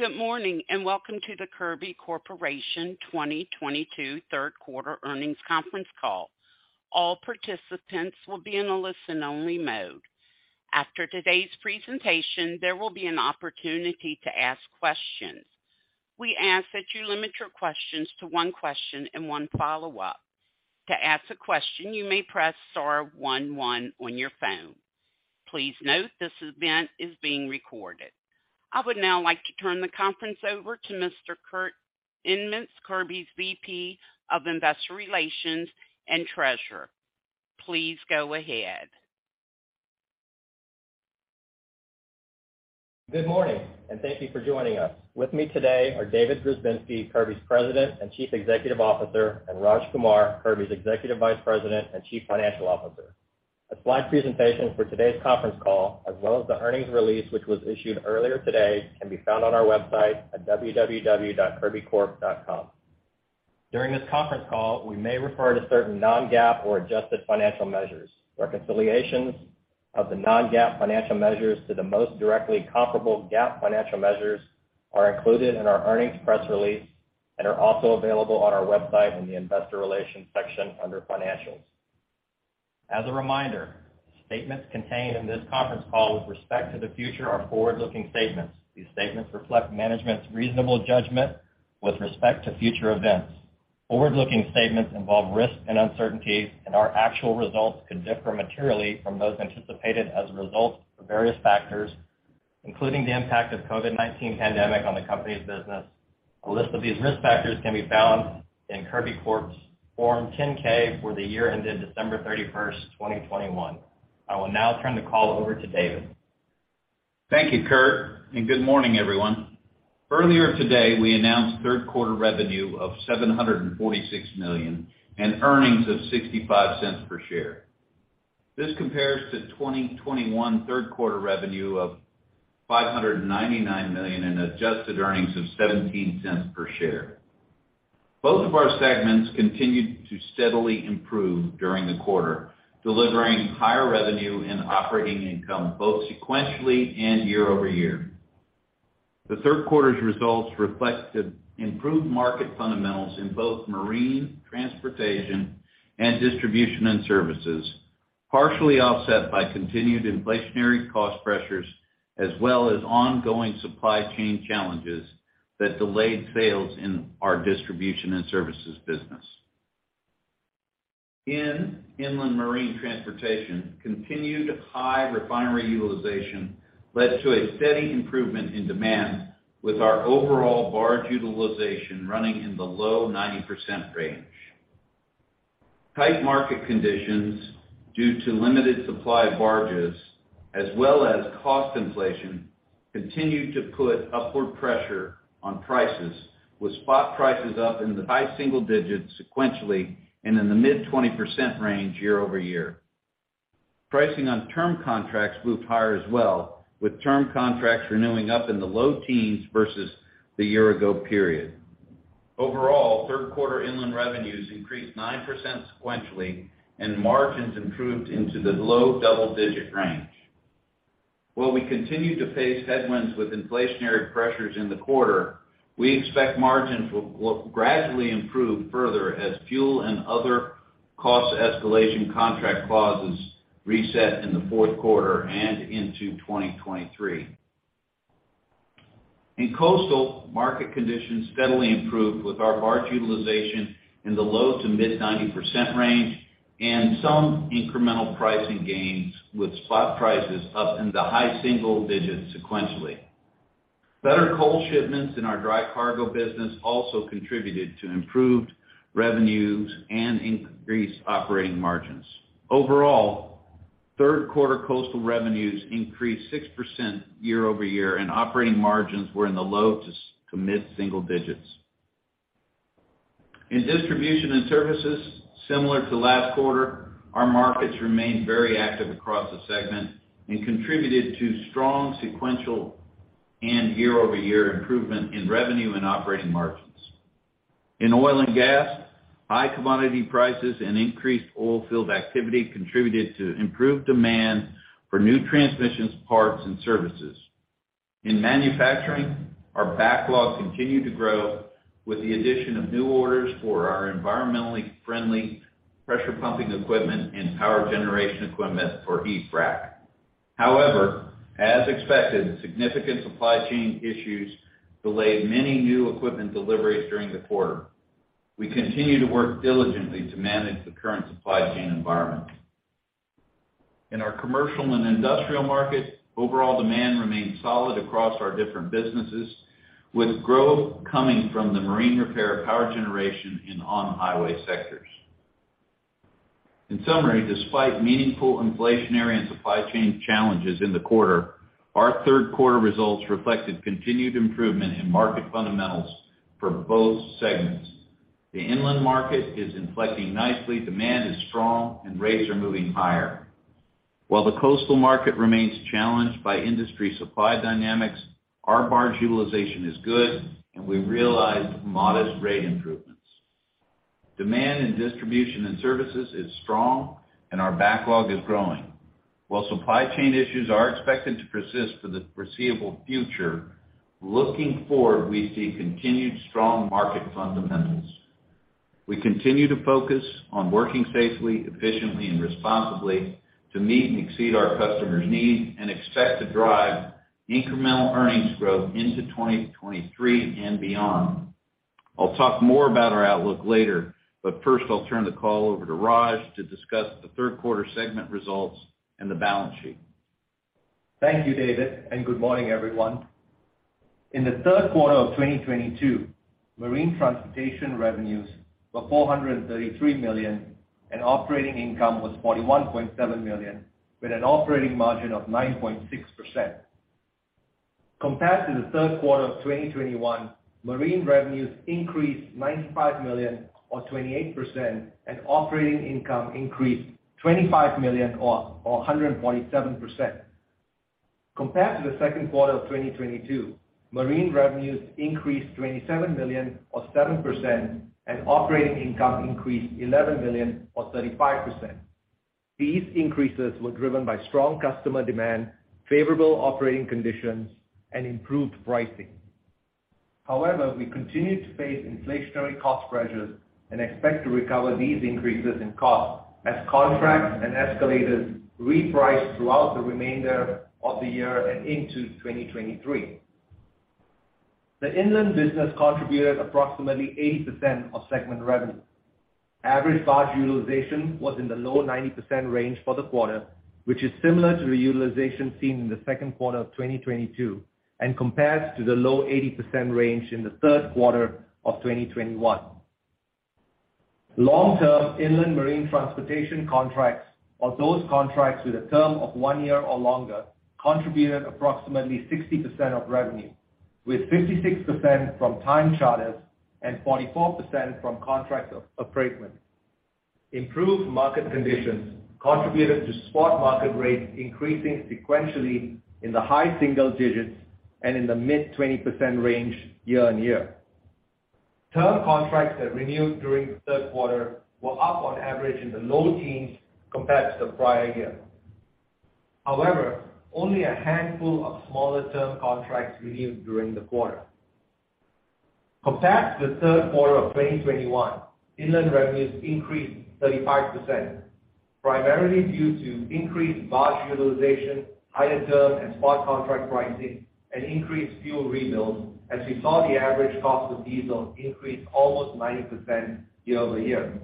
Good morning, and welcome to the Kirby Corp. 2022 Q3 earnings conference call. All participants will be in a listen-only mode. After today's presentation, there will be an opportunity to ask questions. We ask that you limit your questions to one question and one follow-up. To ask a question, you may press * 1 1 on your phone. Please note this event is being recorded. I would now like to turn the conference over to Mr. Kurt Niemietz, Kirby's VP of Investor Relations and Treasurer. Please go ahead. Good morning, and thank you for joining us. With me today are David Grzebinski, Kirby's President and Chief Executive Officer, and Raj Kumar, Kirby's Executive Vice President and Chief Financial Officer. A slide presentation for today's conference call, as well as the earnings release, which was issued earlier today, can be found on our website at www.kirbycorp.com. During this conference call, we may refer to certain non-GAAP or adjusted financial measures. Reconciliations of the non-GAAP financial measures to the most directly comparable GAAP financial measures are included in our earnings press release and are also available on our website in the Investor Relations section under Financials. As a reminder, statements contained in this conference call with respect to the future are forward-looking statements. These statements reflect management's reasonable judgment with respect to future events. Forward-looking statements involve risks and uncertainties, and our actual results could differ materially from those anticipated as a result of various factors, including the impact of COVID-19 pandemic on the company's business. A list of these risk factors can be found in Kirby Corp.'s Form 10-K for the year ended December 31, 2021. I will now turn the call over to David. Thank you, Kurt, and good morning, everyone. Earlier today, we announced Q3 revenue of $746 million and earnings of $0.65 per share. This compares to 2021 Q3 revenue of $599 million and adjusted earnings of $0.17 per share. Both of our segments continued to steadily improve during the quarter, delivering higher revenue and operating income both sequentially and year-over-year. The Q3's results reflected improved market fundamentals in both marine transportation and distribution and services, partially offset by continued inflationary cost pressures as well as ongoing supply chain challenges that delayed sales in our distribution and services business. In inland marine transportation, continued high refinery utilization led to a steady improvement in demand with our overall barge utilization running in the low 90% range. Tight market conditions due to limited supply of barges as well as cost inflation continued to put upward pressure on prices, with spot prices up in the high single digits sequentially and in the mid-20% range year-over-year. Pricing on term contracts moved higher as well, with term contracts renewing up in low teens versus the year ago period. Overall, Q3 inland revenues increased 9% sequentially and margins improved into the double-digit range. While we continue to face headwinds with inflationary pressures in the quarter, we expect margins will gradually improve further as fuel and other cost escalation contract clauses reset in the Q4 and into 2023. In coastal, market conditions steadily improved with our barge utilization in the low-to-mid 90% range and some incremental pricing gains with spot prices up in the high single digits sequentially. Better coal shipments in our dry cargo business also contributed to improved revenues and increased operating margins. Overall, Q3 coastal revenues increased 6% year-over-year and operating margins were in the low to mid-single digits. In distribution and services, similar to last quarter, our markets remained very active across the segment and contributed to strong sequential and year-over-year improvement in revenue and operating margins. In oil and gas, high commodity prices and increased oil field activity contributed to improved demand for new transmissions, parts, and services. In manufacturing, our backlog continued to grow with the addition of new orders for our environmentally friendly pressure pumping equipment and power generation equipment for e-Frac. However, as expected, significant supply chain issues delayed many new equipment deliveries during the quarter. We continue to work diligently to manage the current supply chain environment. In our commercial and industrial markets, overall demand remained solid across our different businesses, with growth coming from the marine repair, power generation, and on-highway sectors. In summary, despite meaningful inflationary and supply chain challenges in the quarter, our Q3 results reflected continued improvement in market fundamentals for both segments. The inland market is inflecting nicely, demand is strong, and rates are moving higher. While the coastal market remains challenged by industry supply dynamics, our barge utilization is good, and we've realized modest rate improvements. Demand in distribution and services is strong and our backlog is growing. While supply chain issues are expected to persist for the foreseeable future, looking forward, we see continued strong market fundamentals. We continue to focus on working safely, efficiently and responsibly to meet and exceed our customers' needs and expect to drive incremental earnings growth into 2023 and beyond. I'll talk more about our outlook later, but first I'll turn the call over to Raj to discuss the Q3 segment results and the balance sheet. Thank you, David, and good morning, everyone. In the Q3 of 2022, marine transportation revenues were $433 million, and operating income was $41.7 million, with an operating margin of 9.6%. Compared to the Q3 of 2021, marine revenues increased $95 million or 28% and operating income increased $25 million or 147%. Compared to the Q2 of 2022, marine revenues increased $27 million or 7% and operating income increased $11 million or 35%. These increases were driven by strong customer demand, favorable operating conditions, and improved pricing. However, we continued to face inflationary cost pressures and expect to recover these increases in cost as contracts and escalators reprice throughout the remainder of the year and into 2023. The inland business contributed approximately 80% of segment revenue. Average barge utilization was in the low 90% range for the quarter, which is similar to the utilization seen in the Q2 of 2022 and compares to the low 80% range in the Q3 of 2021. Long-term inland marine transportation contracts or those contracts with a term of one year or longer contributed approximately 60% of revenue, with 56% from time charters and 44% from contract of affreightment. Improved market conditions contributed to spot market rates increasing sequentially in the high single digits and in the mid-20% range year-on-year. Term contracts that renewed during the Q3 were up on average in the low teens compared to the prior year. However, only a handful of smaller term contracts renewed during the quarter. Compared to the Q3 of 2021, inland revenues increased 35%, primarily due to increased barge utilization, higher term and spot contract pricing, and increased fuel rebuilds, as we saw the average cost of diesel increase almost 90% year-over-year.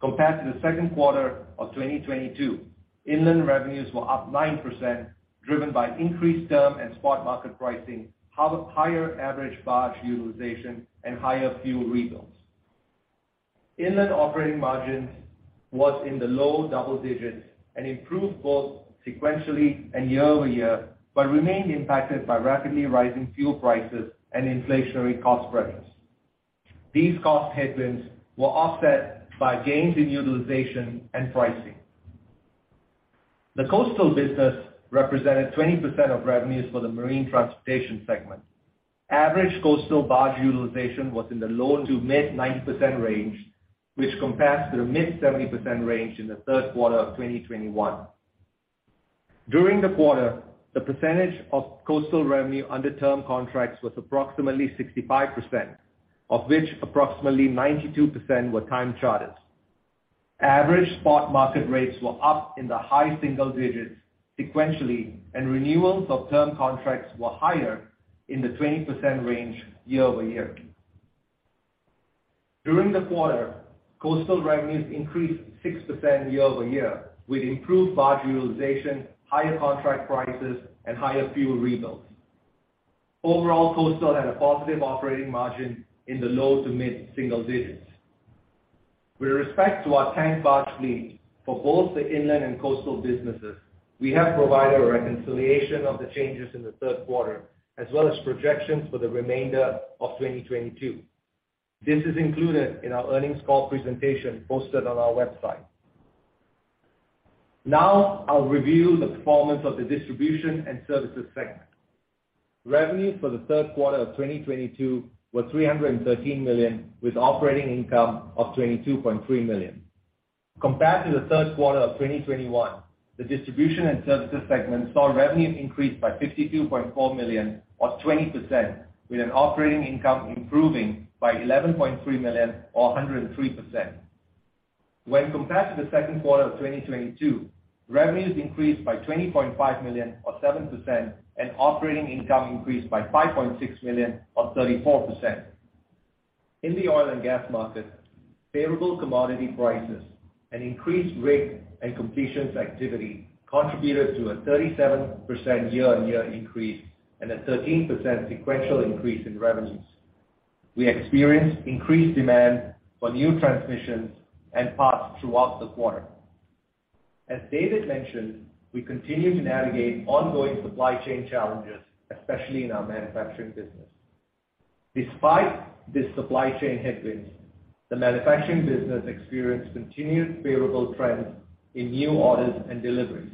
Compared to the Q2 of 2022, inland revenues were up 9%, driven by increased term and spot market pricing, had a higher average barge utilization, and higher fuel rebuilds. Inland operating margins was in the low double digits and improved both sequentially and year-over-year, but remained impacted by rapidly rising fuel prices and inflationary cost pressures. These cost headwinds were offset by gains in utilization and pricing. The coastal business represented 20% of revenues for the marine transportation segment. Average coastal barge utilization was in the low-to-mid 90% range, which compares to the mid-70% range in the Q3 of 2021. During the quarter, the percentage of coastal revenue under term contracts was approximately 65%, of which approximately 92% were time charters. Average spot market rates were up in the high single digits sequentially, and renewals of term contracts were higher in the 20% range year-over-year. During the quarter, coastal revenues increased 6% year-over-year, with improved barge utilization, higher contract prices, and higher fuel rebuilds. Overall, coastal had a positive operating margin in the low-to-mid single digits. With respect to our tank barge fleet, for both the inland and coastal businesses, we have provided a reconciliation of the changes in the Q3, as well as projections for the remainder of 2022. This is included in our earnings call presentation posted on our website. Now, I'll review the performance of the distribution and services segment. Revenues for the Q3 of 2022 were $313 million, with operating income of $22.3 million. Compared to the Q3 of 2021, the distribution and services segment saw revenues increase by $52.4 million or 20%, with an operating income improving by $11.3 million or 103%. When compared to the Q2 of 2022, revenues increased by $20.5 million or 7% and operating income increased by $5.6 million or 34%. In the oil and gas market, favorable commodity prices and increased rig and completions activity contributed to a 37% year-on-year increase and a 13% sequential increase in revenues. We experienced increased demand for new transmissions and parts throughout the quarter. As David mentioned, we continue to navigate ongoing supply chain challenges, especially in our manufacturing business. Despite the supply chain headwinds, the manufacturing business experienced continued favorable trends in new orders and deliveries.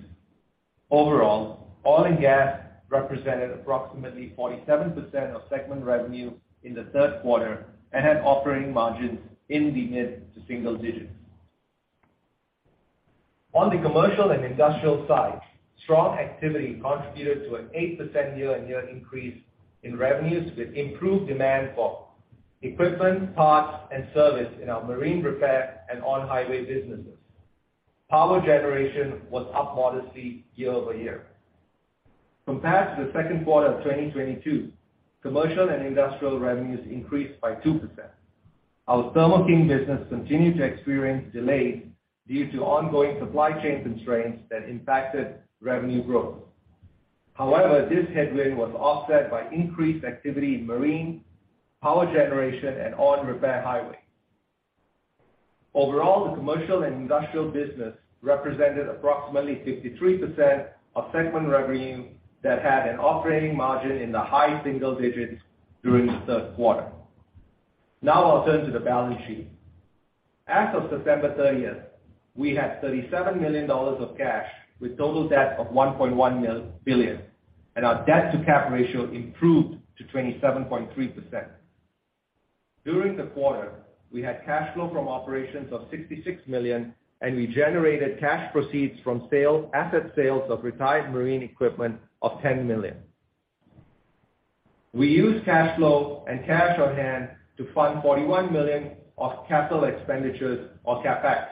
Overall, oil and gas represented approximately 47% of segment revenue in the Q3 and had operating margins in the mid to single digits. On the commercial and industrial side, strong activity contributed to an 8% year-on-year increase in revenues with improved demand for equipment, parts, and service in our marine repair and on-highway businesses. Power generation was up modestly year-over-year. Compared to the Q2 of 2022, commercial and industrial revenues increased by 2%. Our Thermo King business continued to experience delays due to ongoing supply chain constraints that impacted revenue growth. However, this headwind was offset by increased activity in marine, power generation, and on-highway repair. Overall, the commercial and industrial business represented approximately 53% of segment revenue that had an operating margin in the high single digits during the Q3. Now I'll turn to the balance sheet. As of September 30th, we had $37 million of cash with total debt of $1.1 billion, and our debt-to-cap ratio improved to 27.3%. During the quarter, we had cash flow from operations of $66 million, and we generated cash proceeds from sale of assets of retired marine equipment of $10 million. We used cash flow and cash on hand to fund $41 million of capital expenditures or CapEx.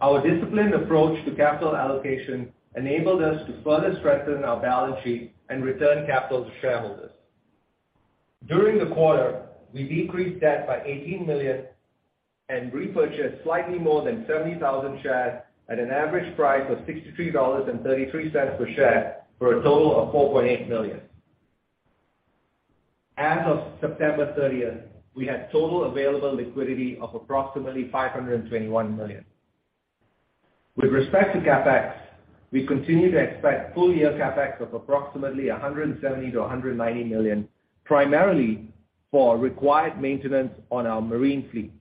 Our disciplined approach to capital allocation enabled us to further strengthen our balance sheet and return capital to shareholders. During the quarter, we decreased debt by $18 million and repurchased slightly more than 70,000 shares at an average price of $63.33 per share for a total of $4.8 million. As of September 30, we had total available liquidity of approximately $521 million. With respect to CapEx, we continue to expect full year CapEx of approximately $170 - 190 million, primarily for required maintenance on our marine fleet.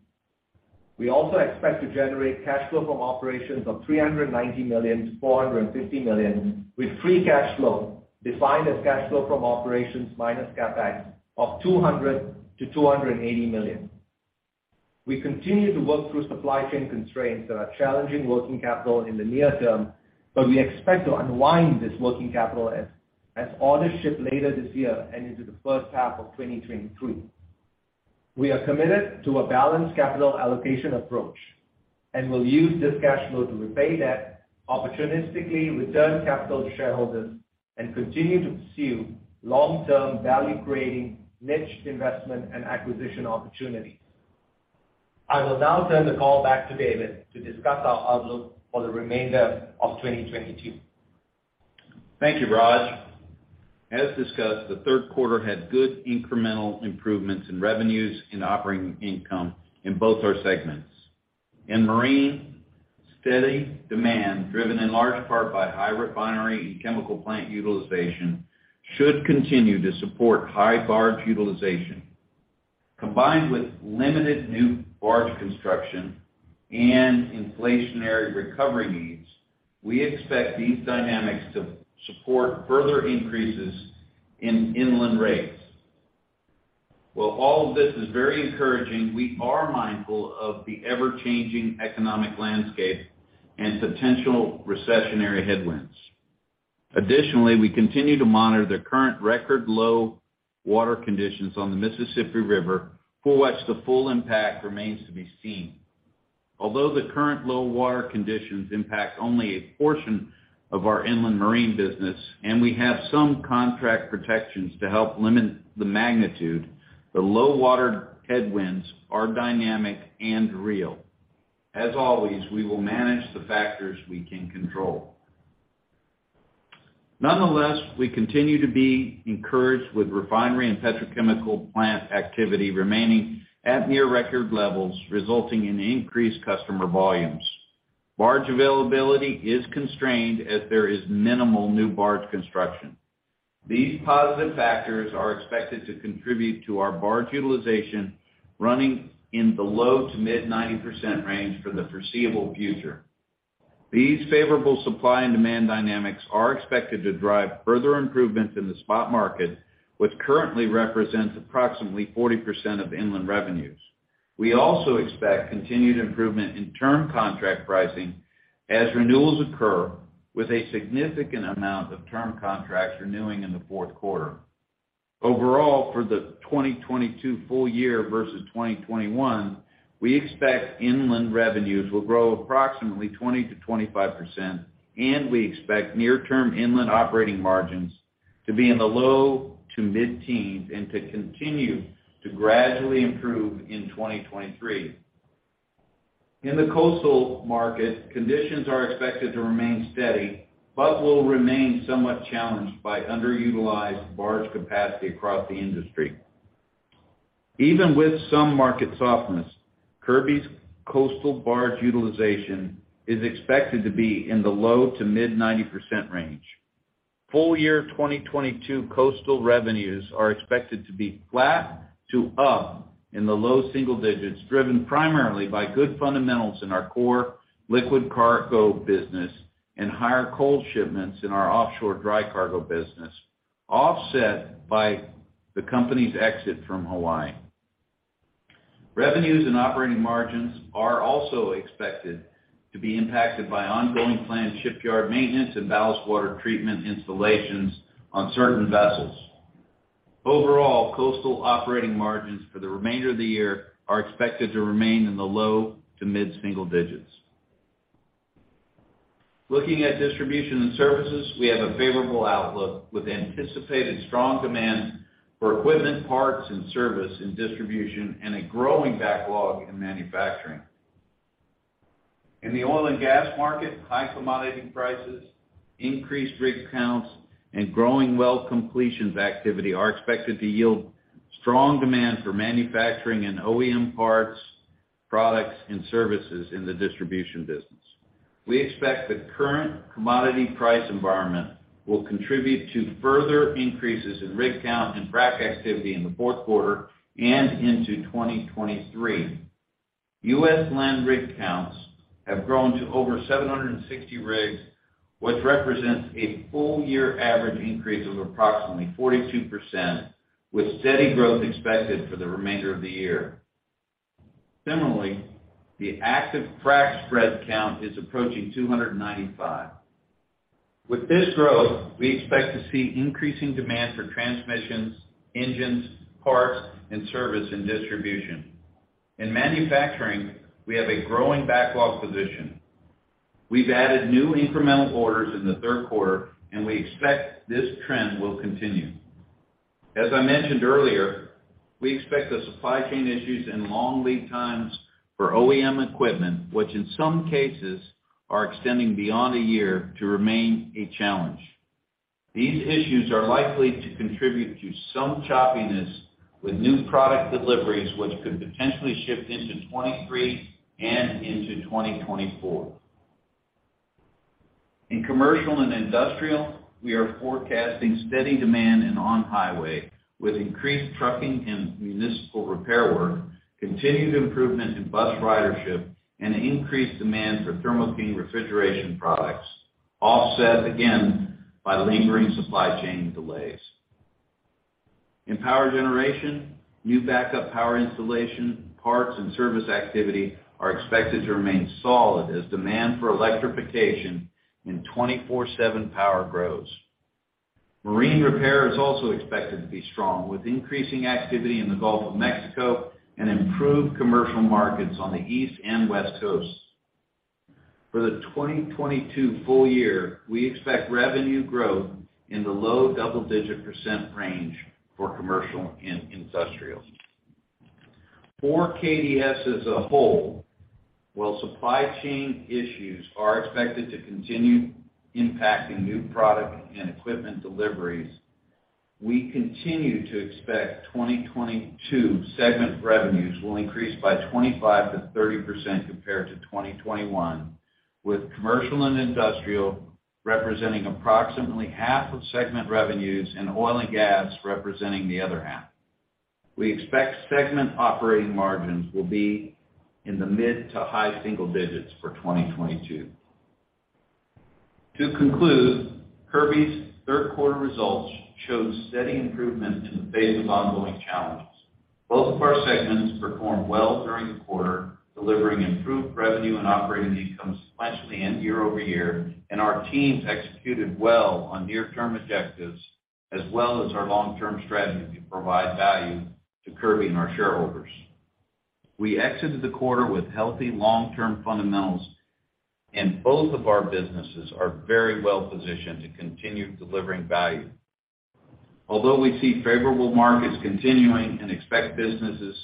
We also expect to generate cash flow from operations of $390 - 450 million, with free cash flow defined as cash flow from operations minus CapEx of $200 - 280 million. We continue to work through supply chain constraints that are challenging working capital in the near term, but we expect to unwind this working capital as orders ship later this year and into the first half of 2023. We are committed to a balanced capital allocation approach, and we'll use this cash flow to repay debt, opportunistically return capital to shareholders, and continue to pursue long-term value-creating niche investment and acquisition opportunities. I will now turn the call back to David to discuss our outlook for the remainder of 2022. Thank you, Raj. As discussed, the Q3 had good incremental improvements in revenues and operating income in both our segments. In marine, steady demand, driven in large part by high refinery and chemical plant utilization, should continue to support high barge utilization. Combined with limited new barge construction and inflationary recovery needs, we expect these dynamics to support further increases in inland rates. While all of this is very encouraging, we are mindful of the ever-changing economic landscape and potential recessionary headwinds. Additionally, we continue to monitor the current record low water conditions on the Mississippi River, for which the full impact remains to be seen. Although the current low water conditions impact only a portion of our inland marine business, and we have some contract protections to help limit the magnitude, the low water headwinds are dynamic and real. As always, we will manage the factors we can control. Nonetheless, we continue to be encouraged with refinery and petrochemical plant activity remaining at near record levels, resulting in increased customer volumes. Barge availability is constrained as there is minimal new barge construction. These positive factors are expected to contribute to our barge utilization running in the low- to mid-90% range for the foreseeable future. These favorable supply and demand dynamics are expected to drive further improvements in the spot market, which currently represents approximately 40% of inland revenues. We also expect continued improvement in term contract pricing as renewals occur with a significant amount of term contracts renewing in the Q4. Overall, for the 2022 full year versus 2021, we expect inland revenues will grow approximately 20%-25%, and we expect near-term inland operating margins to be in the low to mid-teens and to continue to gradually improve in 2023. In the coastal market, conditions are expected to remain steady, but will remain somewhat challenged by underutilized barge capacity across the industry. Even with some market softness, Kirby's coastal barge utilization is expected to be in the low to mid-90% range. Full year 2022 coastal revenues are expected to be flat to up in the low single digits, driven primarily by good fundamentals in our core liquid cargo business and higher coal shipments in our offshore dry cargo business, offset by the company's exit from Hawaii. Revenues and operating margins are also expected to be impacted by ongoing planned shipyard maintenance and ballast water treatment installations on certain vessels. Overall, coastal operating margins for the remainder of the year are expected to remain in the low- to mid-single-digit. Looking at distribution and services, we have a favorable outlook with anticipated strong demand for equipment parts and service in distribution and a growing backlog in manufacturing. In the oil and gas market, high commodity prices, increased rig counts, and growing well completions activity are expected to yield strong demand for manufacturing and OEM parts, products, and services in the distribution business. We expect the current commodity price environment will contribute to further increases in rig count and frac activity in the Q4 and into 2023. U.S. land rig counts have grown to over 760 rigs, which represents a full year average increase of approximately 42%, with steady growth expected for the remainder of the year. Similarly, the active frac spread count is approaching 295. With this growth, we expect to see increasing demand for transmissions, engines, parts, and service and distribution. In manufacturing, we have a growing backlog position. We've added new incremental orders in the Q3, and we expect this trend will continue. As I mentioned earlier, we expect the supply chain issues and long lead times for OEM equipment, which in some cases are extending beyond a year, to remain a challenge. These issues are likely to contribute to some choppiness with new product deliveries, which could potentially shift into 2023 and into 2024. In commercial and industrial, we are forecasting steady demand in on-highway with increased trucking and municipal repair work, continued improvement in bus ridership, and increased demand for Thermo King refrigeration products, offset again by lingering supply chain delays. In power generation, new backup power installation, parts, and service activity are expected to remain solid as demand for electrification in 24/7 power grows. Marine repair is also expected to be strong, with increasing activity in the Gulf of Mexico and improved commercial markets on the East and West Coasts. For the 2022 full year, we expect revenue growth in the low double-digit range for commercial and industrial. For KDS as a whole, while supply chain issues are expected to continue impacting new product and equipment deliveries, we continue to expect 2022 segment revenues will increase by 25%-30% compared to 2021, with commercial and industrial representing approximately half of segment revenues and oil and gas representing the other half. We expect segment operating margins will be in the mid to high single digits for 2022. To conclude, Kirby's Q3 results show steady improvement in the face of ongoing challenges. Both of our segments performed well during the quarter, delivering improved revenue and operating income sequentially and year-over-year, and our teams executed well on near-term objectives as well as our long-term strategy to provide value to Kirby and our shareholders. We exited the quarter with healthy long-term fundamentals, and both of our businesses are very well positioned to continue delivering value. Although we see favorable markets continuing and expect businesses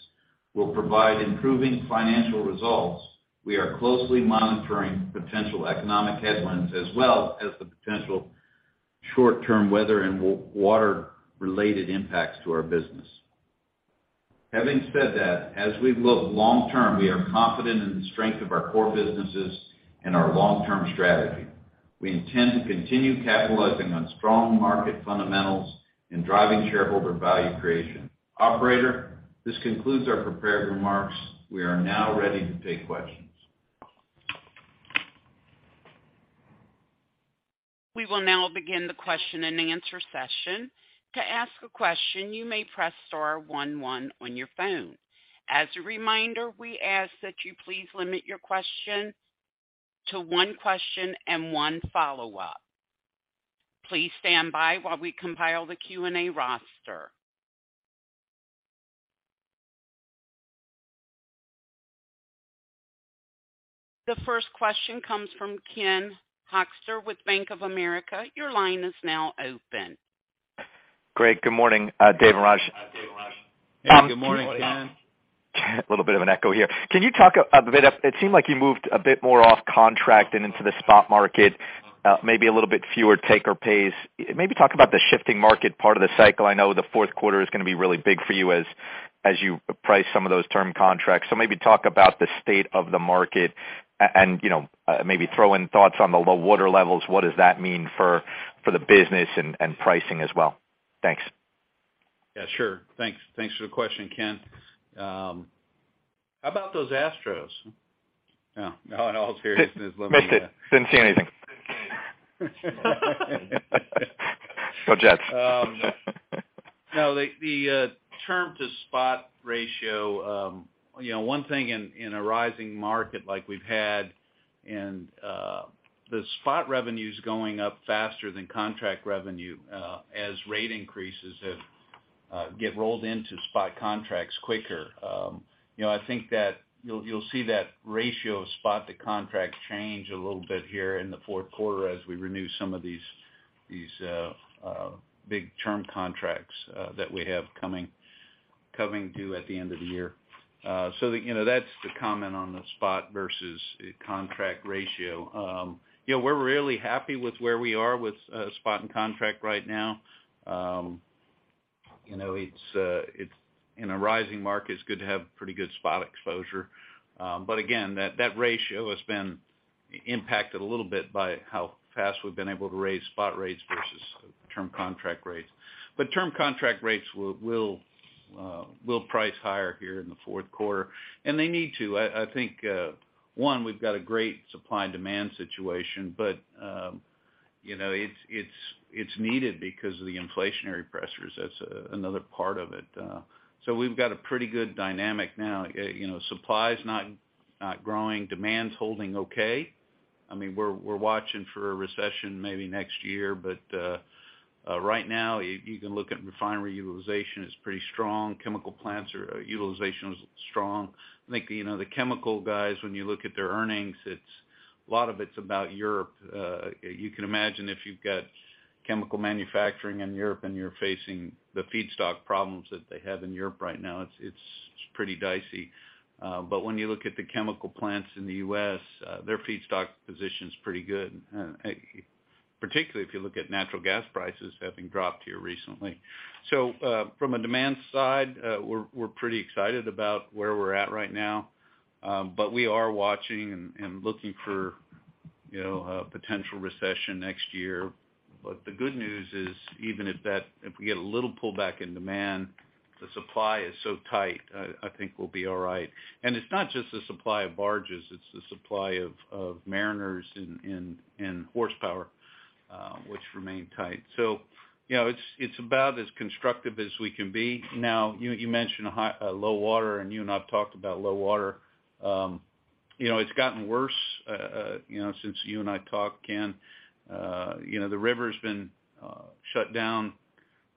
will provide improving financial results, we are closely monitoring potential economic headwinds as well as the potential short-term weather and water related impacts to our business. Having said that, as we look long term, we are confident in the strength of our core businesses and our long-term strategy. We intend to continue capitalizing on strong market fundamentals and driving shareholder value creation. Operator, this concludes our prepared remarks. We are now ready to take questions. We will now begin the question-and-answer session. To ask a question, you may press * 1 1 on your phone. As a reminder, we ask that you please limit your question to one question and one follow-up. Please stand by while we compile the Q&A roster. The first question comes from Kenneth Hoexter with Bank of America. Your line is now open. Great. Good morning, David and Raj. Good morning, Ken. A little bit of an echo here. Can you talk a bit? It seemed like you moved a bit more off contract and into the spot market, maybe a little bit fewer take or pays. Maybe talk about the shifting market part of the cycle. I know the Q4 is gonna be really big for you as you price some of those term contracts. Maybe talk about the state of the market and, you know, maybe throw in thoughts on the low water levels. What does that mean for the business and pricing as well? Thanks. Yeah, sure. Thanks. Thanks for the question, Ken. How about those Astros? No. In all seriousness, let me. Missed it. Didn't see anything. Go Jets. No, the term to spot ratio, you know, one thing in a rising market like we've had, and the spot revenue's going up faster than contract revenue as rate increases have gotten rolled into spot contracts quicker. You know, I think that you'll see that ratio of spot to contract change a little bit here in the Q4 as we renew some of these big term contracts that we have coming due at the end of the year. You know, that's the comment on the spot versus contract ratio. You know, we're really happy with where we are with spot and contract right now. You know, in a rising market, it's good to have pretty good spot exposure. Again, that ratio has been impacted a little bit by how fast we've been able to raise spot rates versus term contract rates. Term contract rates will price higher here in the Q4, and they need to. I think we've got a great supply and demand situation, but you know, it's needed because of the inflationary pressures. That's another part of it. We've got a pretty good dynamic now. You know, supply is not growing. Demand's holding okay. I mean, we're watching for a recession maybe next year. Right now, you can look at refinery utilization is pretty strong. Chemical plants utilization is strong. I think you know, the chemical guys, when you look at their earnings, it's a lot of it's about Europe. You can imagine if you've got chemical manufacturing in Europe and you're facing the feedstock problems that they have in Europe right now, it's pretty dicey. When you look at the chemical plants in the U.S., their feedstock position's pretty good, particularly if you look at natural gas prices having dropped here recently. From a demand side, we're pretty excited about where we're at right now. We are watching and looking for, you know, a potential recession next year. The good news is, even if we get a little pullback in demand, the supply is so tight, I think we'll be all right. It's not just the supply of barges, it's the supply of mariners and horsepower, which remain tight. It's about as constructive as we can be. You mentioned high, low water, and you and I have talked about low water. It's gotten worse since you and I talked, Ken. The river's been shut down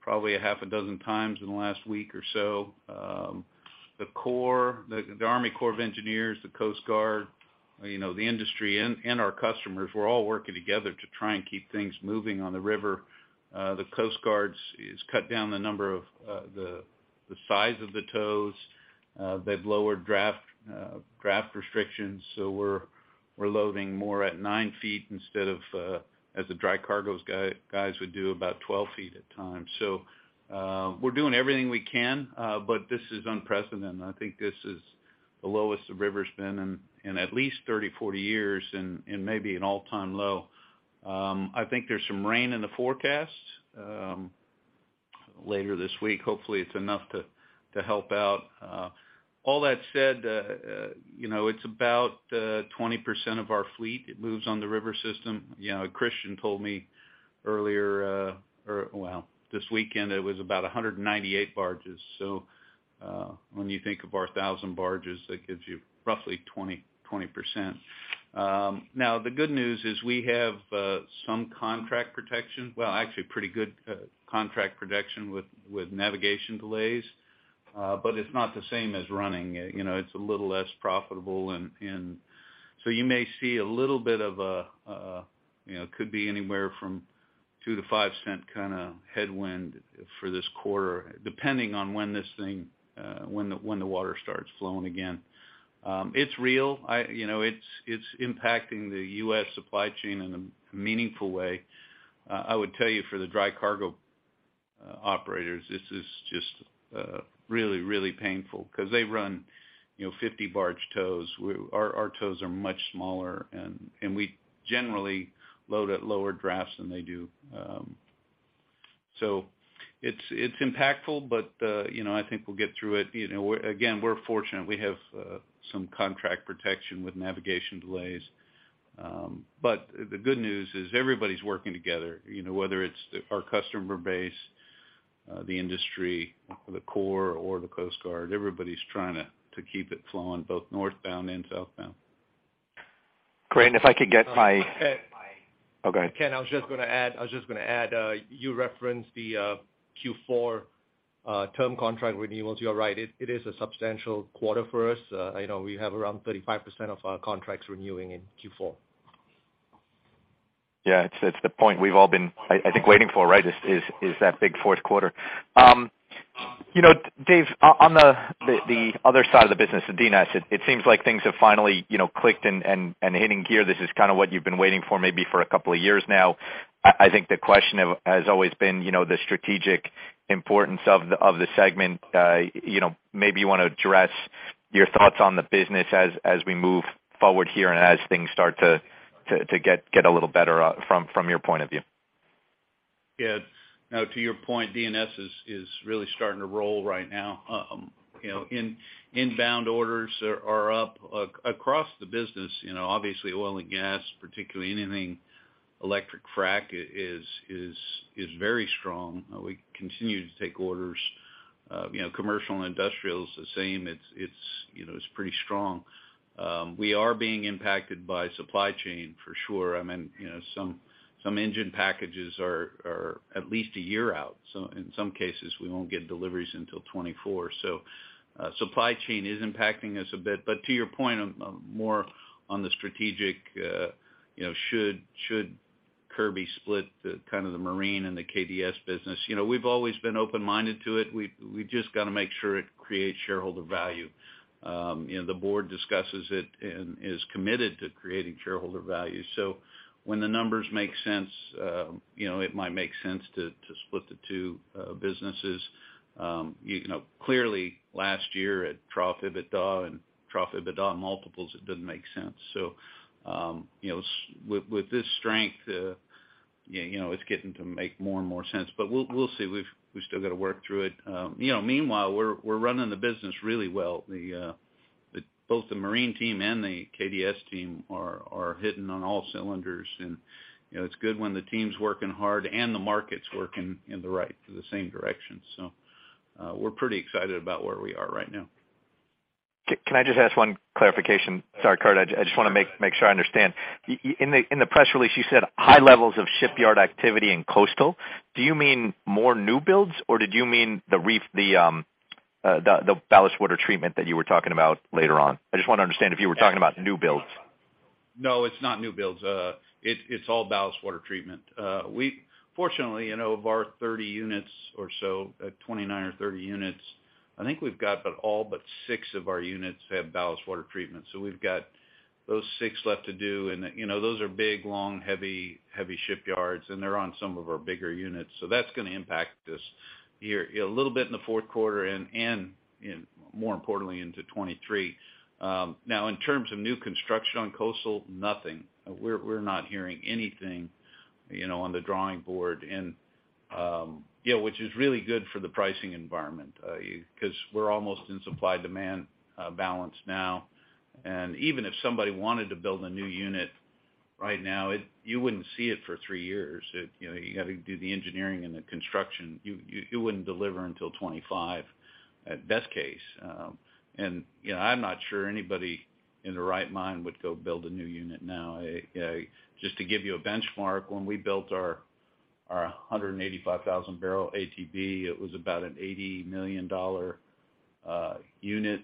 probably 6 times in the last week or so. The Corps, the U.S. Army Corps of Engineers, the Coast Guard, you know, the industry and our customers, we're all working together to try and keep things moving on the river. The Coast Guard's cut down the number of, the size of the tows. They've lowered draft restrictions, so we're loading more at 9 ft instead of, as the dry cargoes guys would do, about 12 ft at times. We're doing everything we can, but this is unprecedented. I think this is the lowest the river's been in at least 30, 40 years and maybe an all-time low. I think there's some rain in the forecast later this week. Hopefully, it's enough to help out. All that said, you know, it's about 20% of our fleet that moves on the river system. You know, Christian told me earlier, or well, this weekend, it was about 198 barges. When you think of our 1,000 barges, that gives you roughly 20%. Now, the good news is we have some contract protection. Well, actually pretty good contract protection with navigation delays. It's not the same as running. You know, it's a little less profitable and so you may see a little bit of a you know could be anywhere from $0.02-0.05 kind of headwind for this quarter, depending on when this thing when the water starts flowing again. It's real. You know, it's impacting the U.S. supply chain in a meaningful way. I would tell you for the dry cargo operators, this is just really painful because they run, you know, 50 barge tows. Our tows are much smaller and we generally load at lower drafts than they do. So it's impactful, but you know, I think we'll get through it. You know, we're fortunate. We have some contract protection with navigation delays. But the good news is everybody's working together. You know, whether it's our customer base, the industry, the Corps, or the Coast Guard, everybody's trying to keep it flowing both northbound and southbound. Great. Ken- Okay. Ken, I was just gonna add, you referenced the Q4 term contract renewals. You're right. It is a substantial quarter for us. You know, we have around 35% of our contracts renewing in Q4. Yeah, it's the point we've all been, I think, waiting for, right? Is that big Q4. You know, Dave, on the other side of the business, the D&S, it seems like things have finally, you know, clicked and hitting gear. This is kind of what you've been waiting for maybe for a couple of years now. I think the question has always been, you know, the strategic importance of the segment. You know, maybe you wanna address your thoughts on the business as we move forward here and as things start to get a little better, from your point of view. Yeah. No, to your point, D&S is really starting to roll right now. You know, inbound orders are up across the business. You know, obviously, oil and gas, particularly anything electric frack is very strong. We continue to take orders. You know, commercial and industrial is the same. It's you know, pretty strong. We are being impacted by supply chain for sure. I mean, you know, some engine packages are at least a year out. In some cases, we won't get deliveries until 2024. Supply chain is impacting us a bit. To your point, more on the strategic, you know, should Kirby split the kind of the marine and the KDS business. You know, we've always been open-minded to it. We just gotta make sure it creates shareholder value. You know, the board discusses it and is committed to creating shareholder value. When the numbers make sense, you know, it might make sense to split the two businesses. You know, clearly last year at pro forma EBITDA multiples, it didn't make sense. You know, with this strength, you know, it's getting to make more and more sense. We'll see. We still gotta work through it. You know, meanwhile, we're running the business really well. Both the marine team and the KDS team are hitting on all cylinders. You know, it's good when the team's working hard and the market's working in the right, the same direction. We're pretty excited about where we are right now. Can I just ask one clarification? Sorry, Carter, I just wanna make sure I understand. In the press release, you said high levels of shipyard activity in coastal. Do you mean more new builds, or did you mean the ballast water treatment that you were talking about later on? I just wanna understand if you were talking about new builds. No, it's not new builds. It's all ballast water treatment. We fortunately, you know, of our 30 units or so, 29 or 30 units, I think we've got about all but six of our units have ballast water treatment. So we've got those six left to do. You know, those are big, long, heavy shipyards, and they're on some of our bigger units. So that's gonna impact us here, you know, a little bit in the Q4 and, you know, more importantly into 2023. Now in terms of new construction on coastal, nothing. We're not hearing anything, you know, on the drawing board. Yeah, which is really good for the pricing environment, because we're almost in supply-demand balance now. Even if somebody wanted to build a new unit right now, you wouldn't see it for 3 years. You know, you got to do the engineering and the construction. You wouldn't deliver until 2025, at best case. You know, I'm not sure anybody in their right mind would go build a new unit now. Just to give you a benchmark, when we built our 185,000-barrel ATB, it was about an $80 million unit.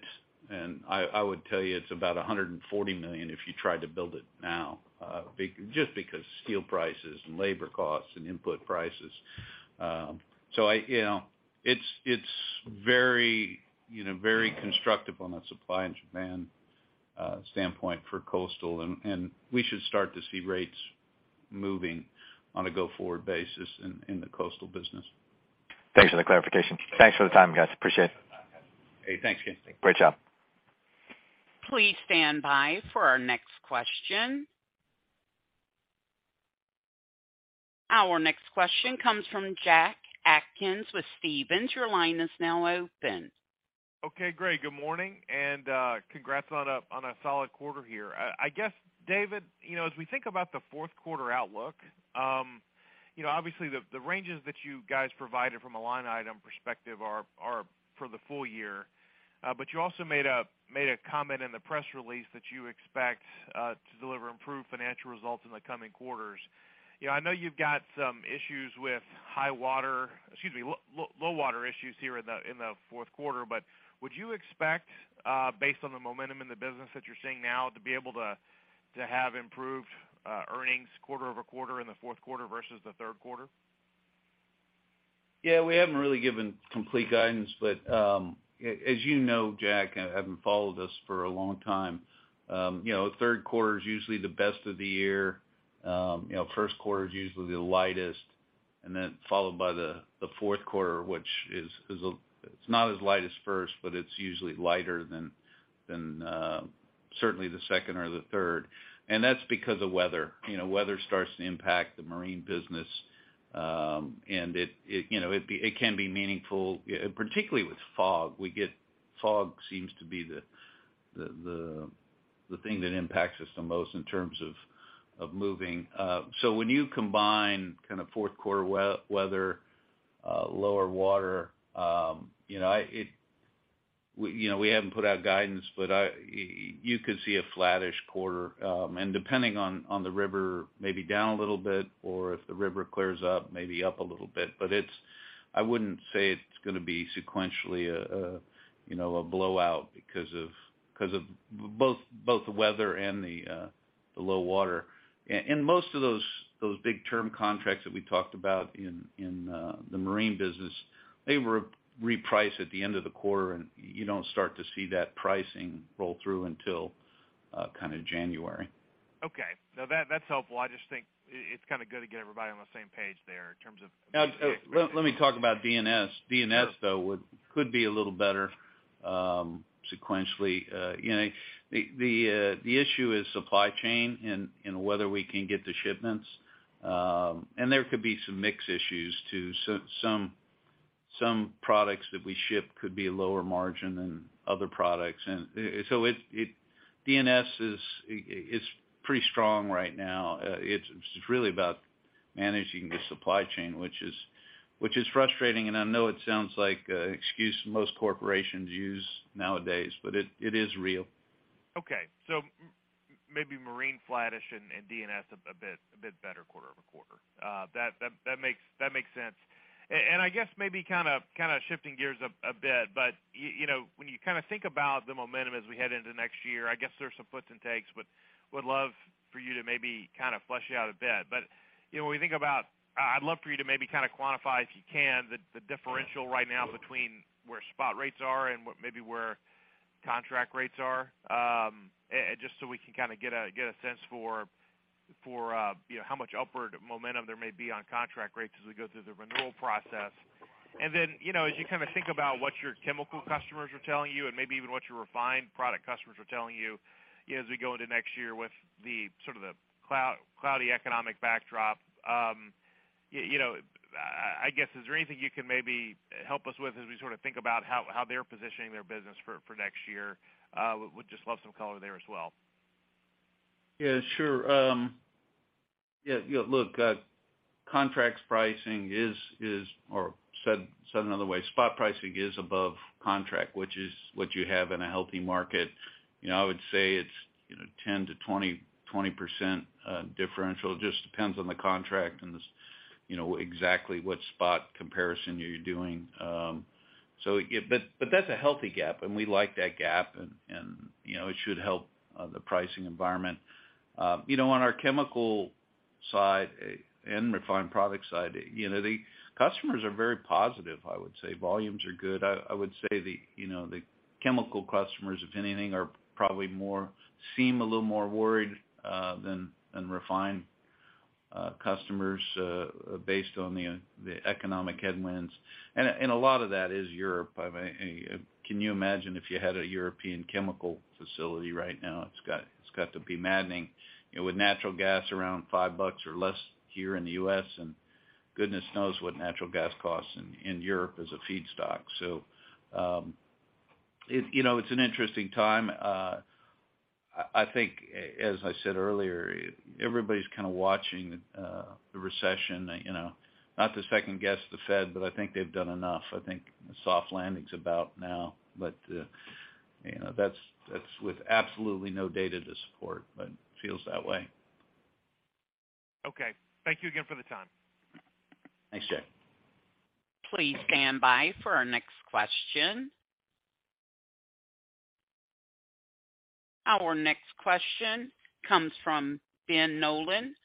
I would tell you it's about $140 million if you tried to build it now, just because steel prices and labor costs and input prices. You know, it's very, you know, very constructive on that supply and demand standpoint for coastal. We should start to see rates moving on a go-forward basis in the coastal business. Thanks for the clarification. Thanks for the time, guys. Appreciate it. Hey, thanks. Great job. Please stand by for our next question. Our next question comes from Jack Atkins with Stephens. Your line is now open. Okay, great. Good morning, and congrats on a solid quarter here. I guess, David, you know, as we think about the Q4 outlook, you know, obviously, the ranges that you guys provided from a line item perspective are for the full year. You also made a comment in the press release that you expect to deliver improved financial results in the coming quarters. You know, I know you've got some issues with low water issues here in the Q4, but would you expect, based on the momentum in the business that you're seeing now, to be able to have improved earnings quarter-over-quarter in the Q4 versus the Q3? Yeah, we haven't really given complete guidance, but as you know, Jack, having followed us for a long time, you know, Q3 is usually the best of the year. You know, Q1 is usually the lightest, and then followed by the Q4, which is, it's not as light as first, but it's usually lighter than certainly the second or the third. That's because of weather. You know, weather starts to impact the marine business, and it can be meaningful, particularly with fog. Fog seems to be the thing that impacts us the most in terms of moving. So when you combine kind of Q4 weather, lower water, you know, it. You know, we haven't put out guidance, but you could see a flattish quarter. Depending on the river, maybe down a little bit, or if the river clears up, maybe up a little bit. I wouldn't say it's gonna be sequentially, you know, a blowout because of both the weather and the low water. Most of those big term contracts that we talked about in the marine business were repriced at the end of the quarter, and you don't start to see that pricing roll through until kind of January. Okay. No, that's helpful. I just think it's kind of good to get everybody on the same page there in terms of. Now, let me talk about D&S. Sure. D&S, though, could be a little better sequentially. You know, the issue is supply chain and whether we can get the shipments. There could be some mix issues too. Some products that we ship could be lower margin than other products. D&S is pretty strong right now. It's really about managing the supply chain, which is frustrating, and I know it sounds like an excuse most corporations use nowadays, but it is real. Okay. Maybe marine flattish and D&S a bit better quarter-over-quarter. That makes sense. I guess maybe kind of shifting gears a bit, but you know, when you kind of think about the momentum as we head into next year, I guess there's some puts and takes, but would love for you to maybe kind of flesh out a bit. You know, when we think about, I'd love for you to maybe kind of quantify, if you can, the differential right now between where spot rates are and what maybe where contract rates are, and just so we can kind of get a sense for, you know, how much upward momentum there may be on contract rates as we go through the renewal process. Then, you know, as you kind of think about what your chemical customers are telling you and maybe even what your refined product customers are telling you as we go into next year with the cloudy economic backdrop, you know, I guess, is there anything you can maybe help us with as we sort of think about how they're positioning their business for next year? Would just love some color there as well. Yeah, sure. Yeah, you know, look, contracts pricing is, or said another way, spot pricing is above contract, which is what you have in a healthy market. You know, I would say it's, you know, 10%-20% differential. Just depends on the contract and this, you know, exactly what spot comparison you're doing. That's a healthy gap, and we like that gap, you know, it should help the pricing environment. You know, on our chemical side and refined product side, you know, the customers are very positive, I would say. Volumes are good. I would say, you know, the chemical customers, if anything, are probably seem a little more worried than refined customers based on the economic headwinds. A lot of that is Europe. I mean, can you imagine if you had a European chemical facility right now? It's got to be maddening, you know, with natural gas around $5 or less here in the U.S., and goodness knows what natural gas costs in Europe as a feedstock. You know, it's an interesting time. I think, as I said earlier, everybody's kind of watching the recession, you know, not to second guess the Fed, but I think they've done enough. I think the soft landing's about now. You know, that's with absolutely no data to support, but feels that way. Okay. Thank you again for the time. Thanks, Jack. Please stand by for our next question. Our next question comes from Ben Nolan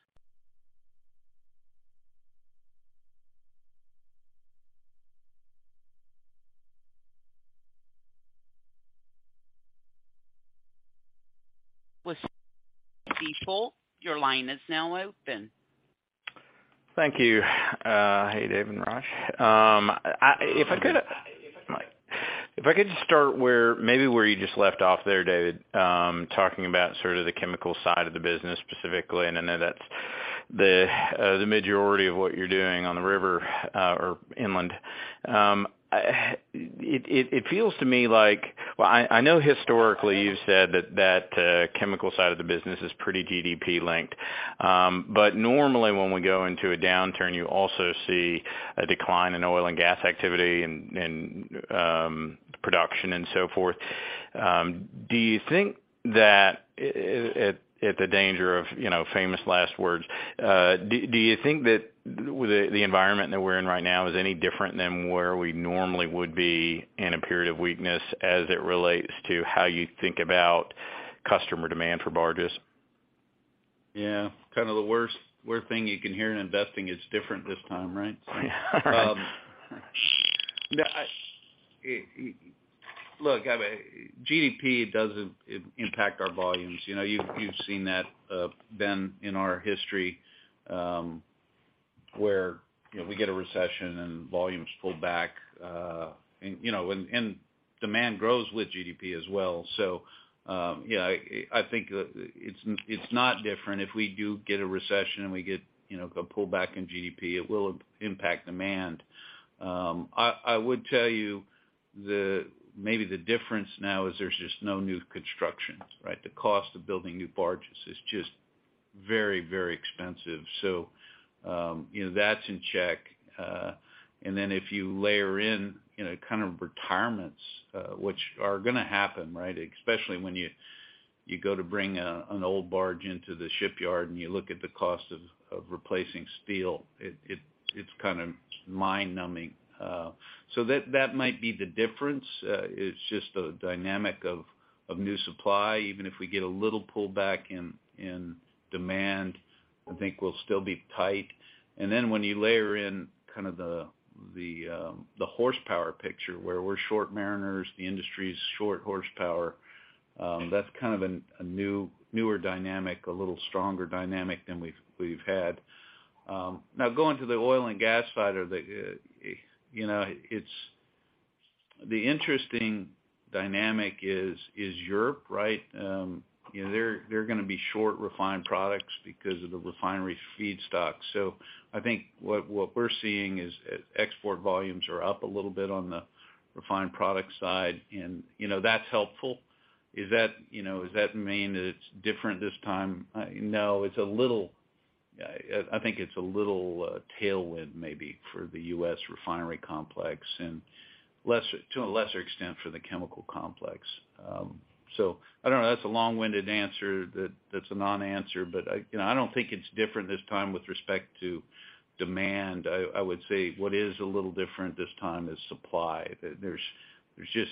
with Stifel. Your line is now open. Thank you. Hey, Dave and Raj. If I could just start where maybe you just left off there, David, talking about sort of the chemical side of the business specifically, and I know that's the majority of what you're doing on the river or inland. It feels to me like well, I know historically you've said that chemical side of the business is pretty GDP-linked. Normally when we go into a downturn, you also see a decline in oil and gas activity and production and so forth. Do you think that at the danger of, you know, famous last words, do you think that the environment that we're in right now is any different than where we normally would be in a period of weakness as it relates to how you think about customer demand for barges? Yeah. Kind of the worst thing you can hear in investing is different this time, right? Yeah. Look, I mean, GDP doesn't impact our volumes. You know, you've seen that, Ben, in our history, where you know we get a recession and volumes pull back, and you know and demand grows with GDP as well. Yeah, I think that it's not different. If we do get a recession and we get you know a pullback in GDP, it will impact demand. I would tell you maybe the difference now is there's just no new constructions, right? The cost of building new barges is just very, very expensive. You know, that's in check. Then if you layer in you know kind of retirements, which are gonna happen, right? Especially when you go to bring an old barge into the shipyard and you look at the cost of replacing steel, it's kind of mind-numbing. So that might be the difference. It's just a dynamic of new supply. Even if we get a little pullback in demand, I think we'll still be tight. Then when you layer in kind of the horsepower picture, where we're short mariners, the industry's short horsepower, that's kind of a newer dynamic, a little stronger dynamic than we've had. Now going to the oil and gas side of it, you know, it's the interesting dynamic is Europe, right? You know, they're gonna be short refined products because of the refinery feedstock. I think what we're seeing is export volumes are up a little bit on the refined product side, and, you know, that's helpful. Is that, you know, does that mean that it's different this time? No. It's a little. I think it's a little tailwind maybe for the U.S. refinery complex and to a lesser extent for the chemical complex. I don't know, that's a long-winded answer that's a non-answer. You know, I don't think it's different this time with respect to demand. I would say what is a little different this time is supply. There's just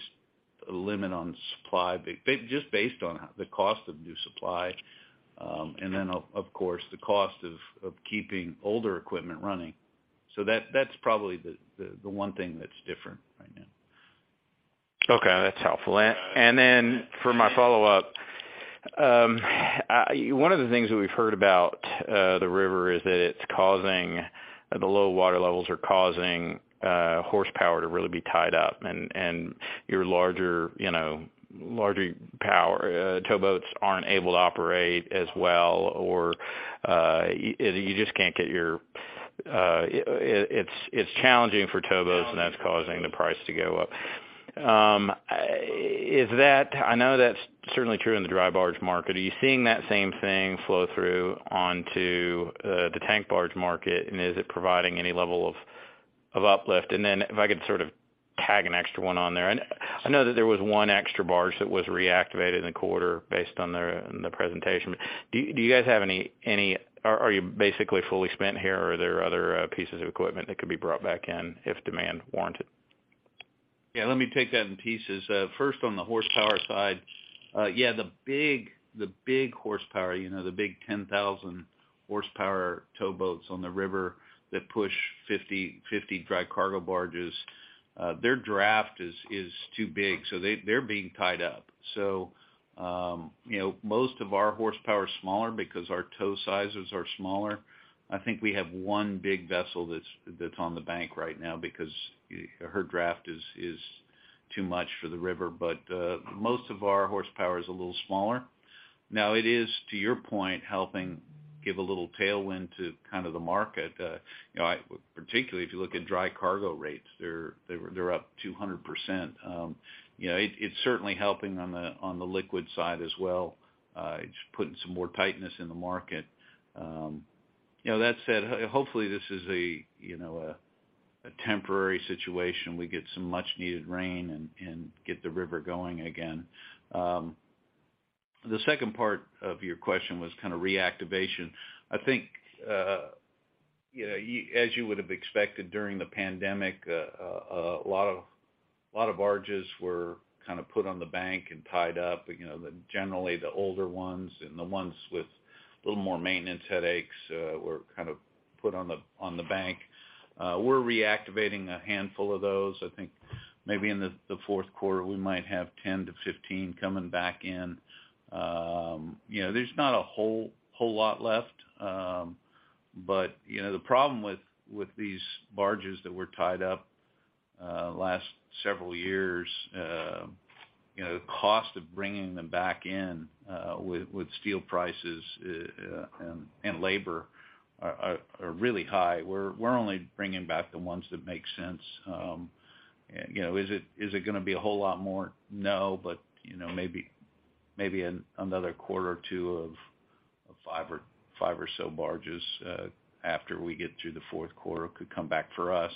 a limit on supply, just based on the cost of new supply, and then of course the cost of keeping older equipment running. That's probably the one thing that's different right now. Okay, that's helpful. Then for my follow-up, one of the things that we've heard about the river is that the low water levels are causing horsepower to really be tied up and your larger, you know, larger power towboats aren't able to operate as well. It's challenging for towboats, and that's causing the price to go up. Is that? I know that's certainly true in the dry barge market. Are you seeing that same thing flow through onto the tank barge market, and is it providing any level of uplift? Then if I could sort of tag an extra one on there. I know that there was one extra barge that was reactivated in the quarter based on the presentation. Are you basically fully spent here or are there other pieces of equipment that could be brought back in if demand warranted? Yeah, let me take that in pieces. First on the horsepower side, yeah, the big horsepower, you know, the big 10,000 horsepower towboats on the river that push 50 dry cargo barges, their draft is too big, so they're being tied up. Most of our horsepower is smaller because our tow sizes are smaller. I think we have one big vessel that's on the bank right now because her draft is too much for the river. Most of our horsepower is a little smaller. Now, it is, to your point, helping give a little tailwind to kind of the market. You know, particularly if you look at dry cargo rates, they're up 200%. You know, it's certainly helping on the liquid side as well. It's putting some more tightness in the market. You know, that said, hopefully this is a temporary situation. We get some much needed rain and get the river going again. The second part of your question was kind of reactivation. I think, you know, as you would have expected during the pandemic, a lot of barges were kind of put on the bank and tied up. You know, generally the older ones and the ones with a little more maintenance headaches were kind of put on the bank. We're reactivating a handful of those. I think maybe in the Q4 we might have 10-15 coming back in. You know, there's not a whole lot left. You know, the problem with these barges that were tied up last several years, you know, the cost of bringing them back in with steel prices and labor are really high. We're only bringing back the ones that make sense. You know, is it gonna be a whole lot more? No. You know, maybe another quarter or two of five or so barges after we get through the Q4 could come back for us.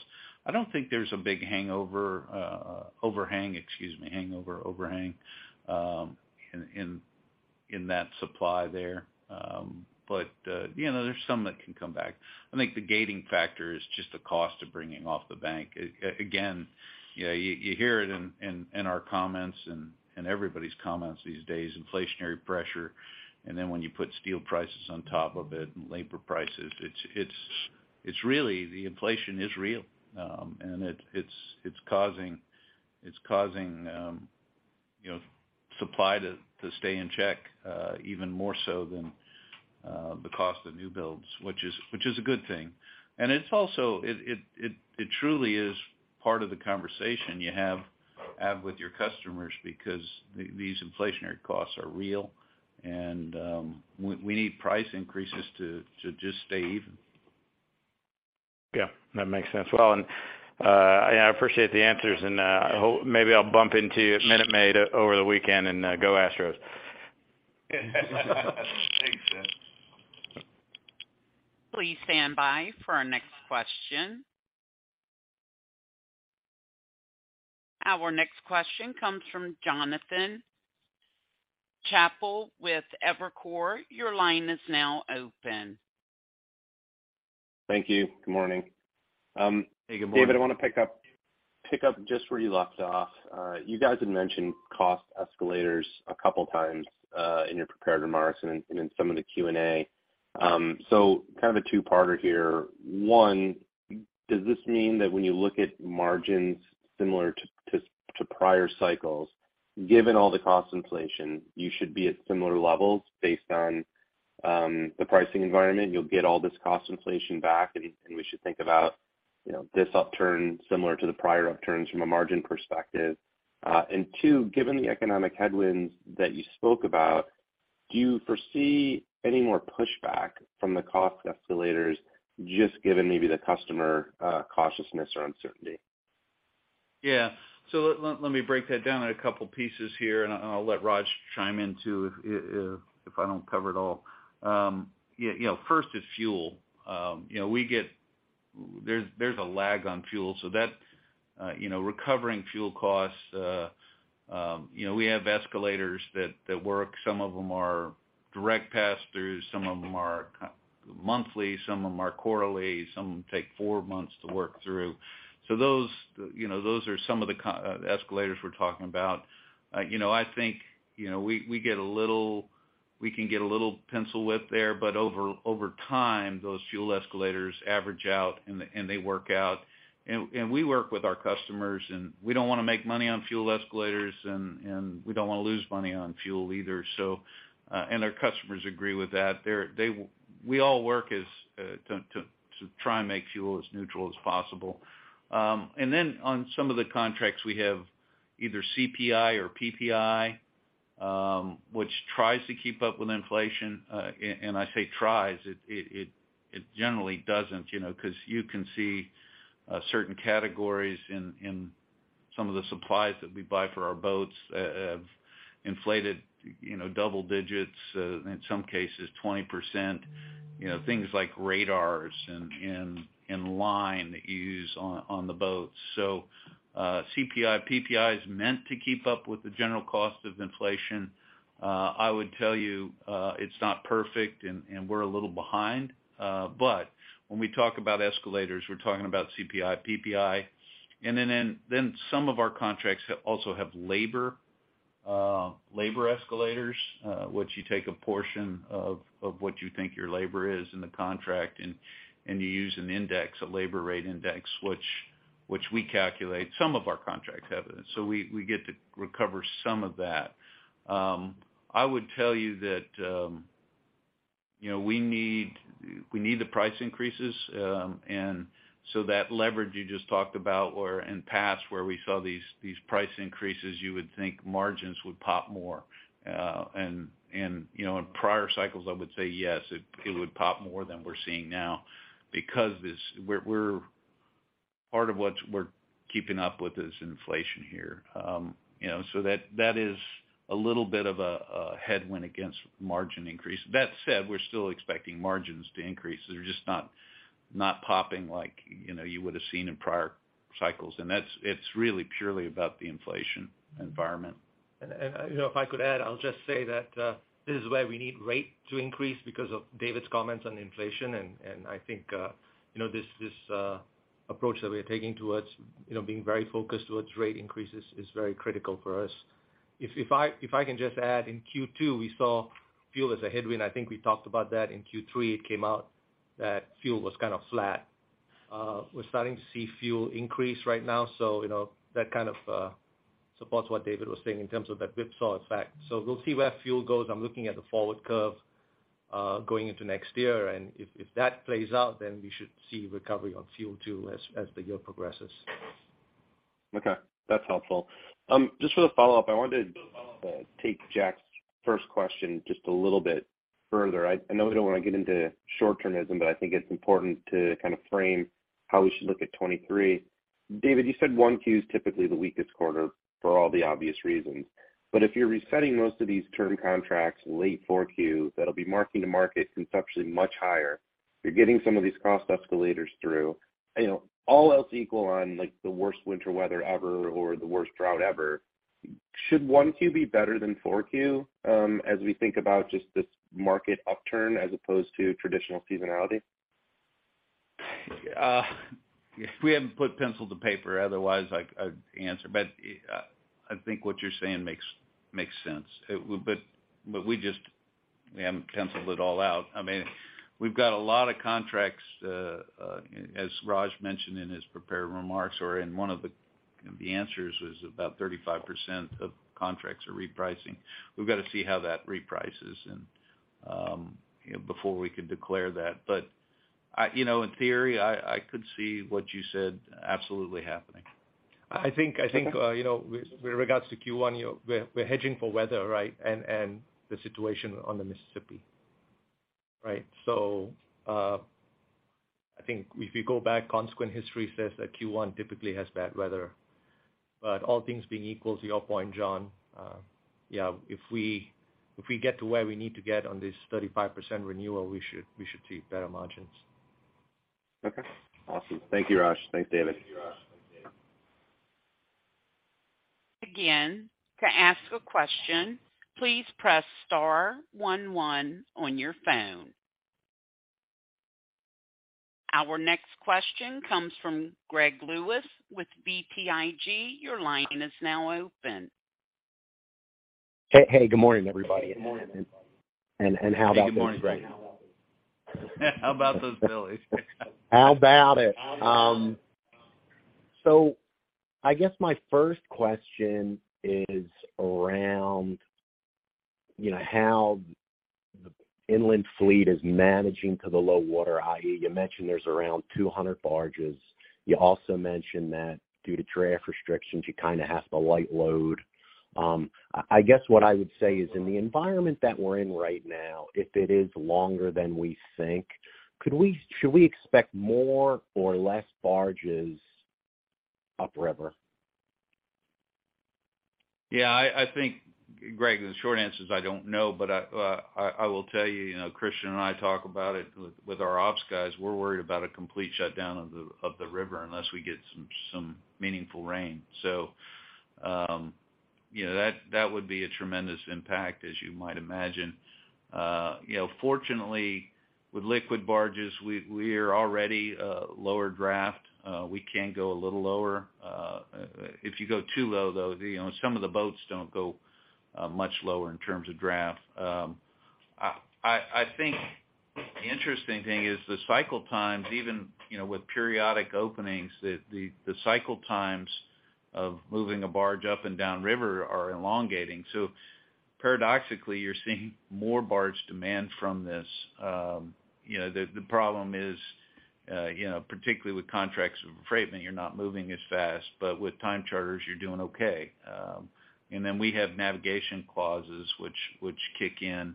I don't think there's a big overhang, excuse me, in that supply there. You know, there's some that can come back. I think the gating factor is just the cost of bringing off the bank. Again, you know, you hear it in our comments and everybody's comments these days, inflationary pressure. Then when you put steel prices on top of it and labor prices, it's really the inflation is real. It's causing you know, supply to stay in check even more so than the cost of new builds, which is a good thing. It's also. It truly is part of the conversation you have with your customers because these inflationary costs are real and we need price increases to just stay even. Yeah, that makes sense. Well, yeah, I appreciate the answers and maybe I'll bump into you at Minute Maid over the weekend and go Astros. Thanks, Seth. Please stand by for our next question. Our next question comes from Jonathan Chappell with Evercore. Your line is now open. Thank you. Good morning. Hey, good morning. David, I want to pick up just where you left off. You guys had mentioned cost escalators a couple times in your prepared remarks and in some of the Q&A. Kind of a two-parter here. One, does this mean that when you look at margins similar to prior cycles, given all the cost inflation, you should be at similar levels based on the pricing environment? You'll get all this cost inflation back, and we should think about, you know, this upturn similar to the prior upturns from a margin perspective. Two, given the economic headwinds that you spoke about, do you foresee any more pushback from the cost escalators just given maybe the customer cautiousness or uncertainty? Yeah. Let me break that down in a couple pieces here, and I'll let Raj chime in too if I don't cover it all. Yeah, you know, first is fuel. There's a lag on fuel, so that you know, recovering fuel costs, you know, we have escalators that work. Some of them are direct pass-throughs, some of them are kind of monthly, some of them are quarterly, some of them take four months to work through. Those, you know, are some of the escalators we're talking about. You know, I think, you know, we can get a little pencil width there, but over time, those fuel escalators average out and they work out. We work with our customers, and we don't wanna make money on fuel escalators and we don't wanna lose money on fuel either. Our customers agree with that. We all work to try and make fuel as neutral as possible. On some of the contracts we have either CPI or PPI, which tries to keep up with inflation. I say tries, it generally doesn't, you know, 'cause you can see certain categories in some of the supplies that we buy for our boats have inflated, you know, double digits, in some cases 20%. You know, things like radars and line that you use on the boats. CPI, PPI is meant to keep up with the general cost of inflation. I would tell you, it's not perfect and we're a little behind. When we talk about escalators, we're talking about CPI, PPI. Some of our contracts also have labor escalators, which you take a portion of what you think your labor is in the contract and you use an index, a labor rate index, which we calculate. Some of our contracts have it, so we get to recover some of that. I would tell you that, you know, we need the price increases, and so that leverage you just talked about where in past where we saw these price increases, you would think margins would pop more. You know, in prior cycles, I would say yes, it would pop more than we're seeing now because this. Part of what we're keeping up with is inflation here. You know, that is a little bit of a headwind against margin increase. That said, we're still expecting margins to increase. They're just not popping like, you know, you would have seen in prior cycles. That's it really purely about the inflation environment. You know, if I could add, I'll just say that this is why we need rate to increase because of David's comments on inflation. I think you know this approach that we are taking towards you know being very focused towards rate increases is very critical for us. If I can just add, in Q2, we saw fuel as a headwind. I think we talked about that. In Q3, it came out that fuel was kind of flat. We're starting to see fuel increase right now, so you know that kind of supports what David was saying in terms of that whipsaw effect. We'll see where fuel goes. I'm looking at the forward curve, going into next year, and if that plays out, then we should see recovery on fuel too as the year progresses. Okay, that's helpful. Just for the follow-up, I wanted to take Jack's first question just a little bit further. I know we don't wanna get into short-termism, but I think it's important to kind of frame how we should look at 2023. David, you said Q1 is typically the weakest quarter for all the obvious reasons. If you're resetting most of these term contracts late Q4, that'll be marking to market conceptually much higher. You're getting some of these cost escalators through. You know, all else equal on, like, the worst winter weather ever or the worst drought ever, should Q1 be better than Q4 as we think about just this market upturn as opposed to traditional seasonality? We haven't put pencil to paper, otherwise I'd answer. I think what you're saying makes sense. We just haven't penciled it all out. I mean, we've got a lot of contracts, as Raj mentioned in his prepared remarks or in one of the answers, was about 35% of contracts are repricing. We've got to see how that reprices and before we can declare that. You know, in theory, I could see what you said absolutely happening. I think you know, with regards to Q1, you know, we're hedging for weather, right? The situation on the Mississippi, right? I think if you go back, recent history says that Q1 typically has bad weather. All things being equal to your point, John, yeah, if we get to where we need to get on this 35% renewal, we should see better margins. Okay. Awesome. Thank you, Raj. Thanks, David. Again, to ask a question, please press * 1 1 on your phone. Our next question comes from Greg Lewis with BTIG. Your line is now open. Hey, good morning, everybody. Good morning. How about those? Good morning, Greg. How about those Phillies? How about it? I guess my first question is around, you know, how the inland fleet is managing to the low water, i.e., you mentioned there's around 200 barges. You also mentioned that due to draft restrictions, you kinda have to light load. I guess what I would say is in the environment that we're in right now, if it is longer than we think, should we expect more or less barges upriver? Yeah, I think, Greg, the short answer is I don't know. I will tell you know, Christian and I talk about it with our ops guys. We're worried about a complete shutdown of the river unless we get some meaningful rain. You know, that would be a tremendous impact, as you might imagine. You know, fortunately, with liquid barges, we're already lower draft. We can go a little lower. If you go too low, though, you know, some of the boats don't go much lower in terms of draft. I think the interesting thing is the cycle times, even, you know, with periodic openings, the cycle times of moving a barge up and down river are elongating. Paradoxically, you're seeing more barge demand from this. The problem is, particularly with contracts of affreightment, you're not moving as fast, but with time charters, you're doing okay. We have navigation clauses which kick in,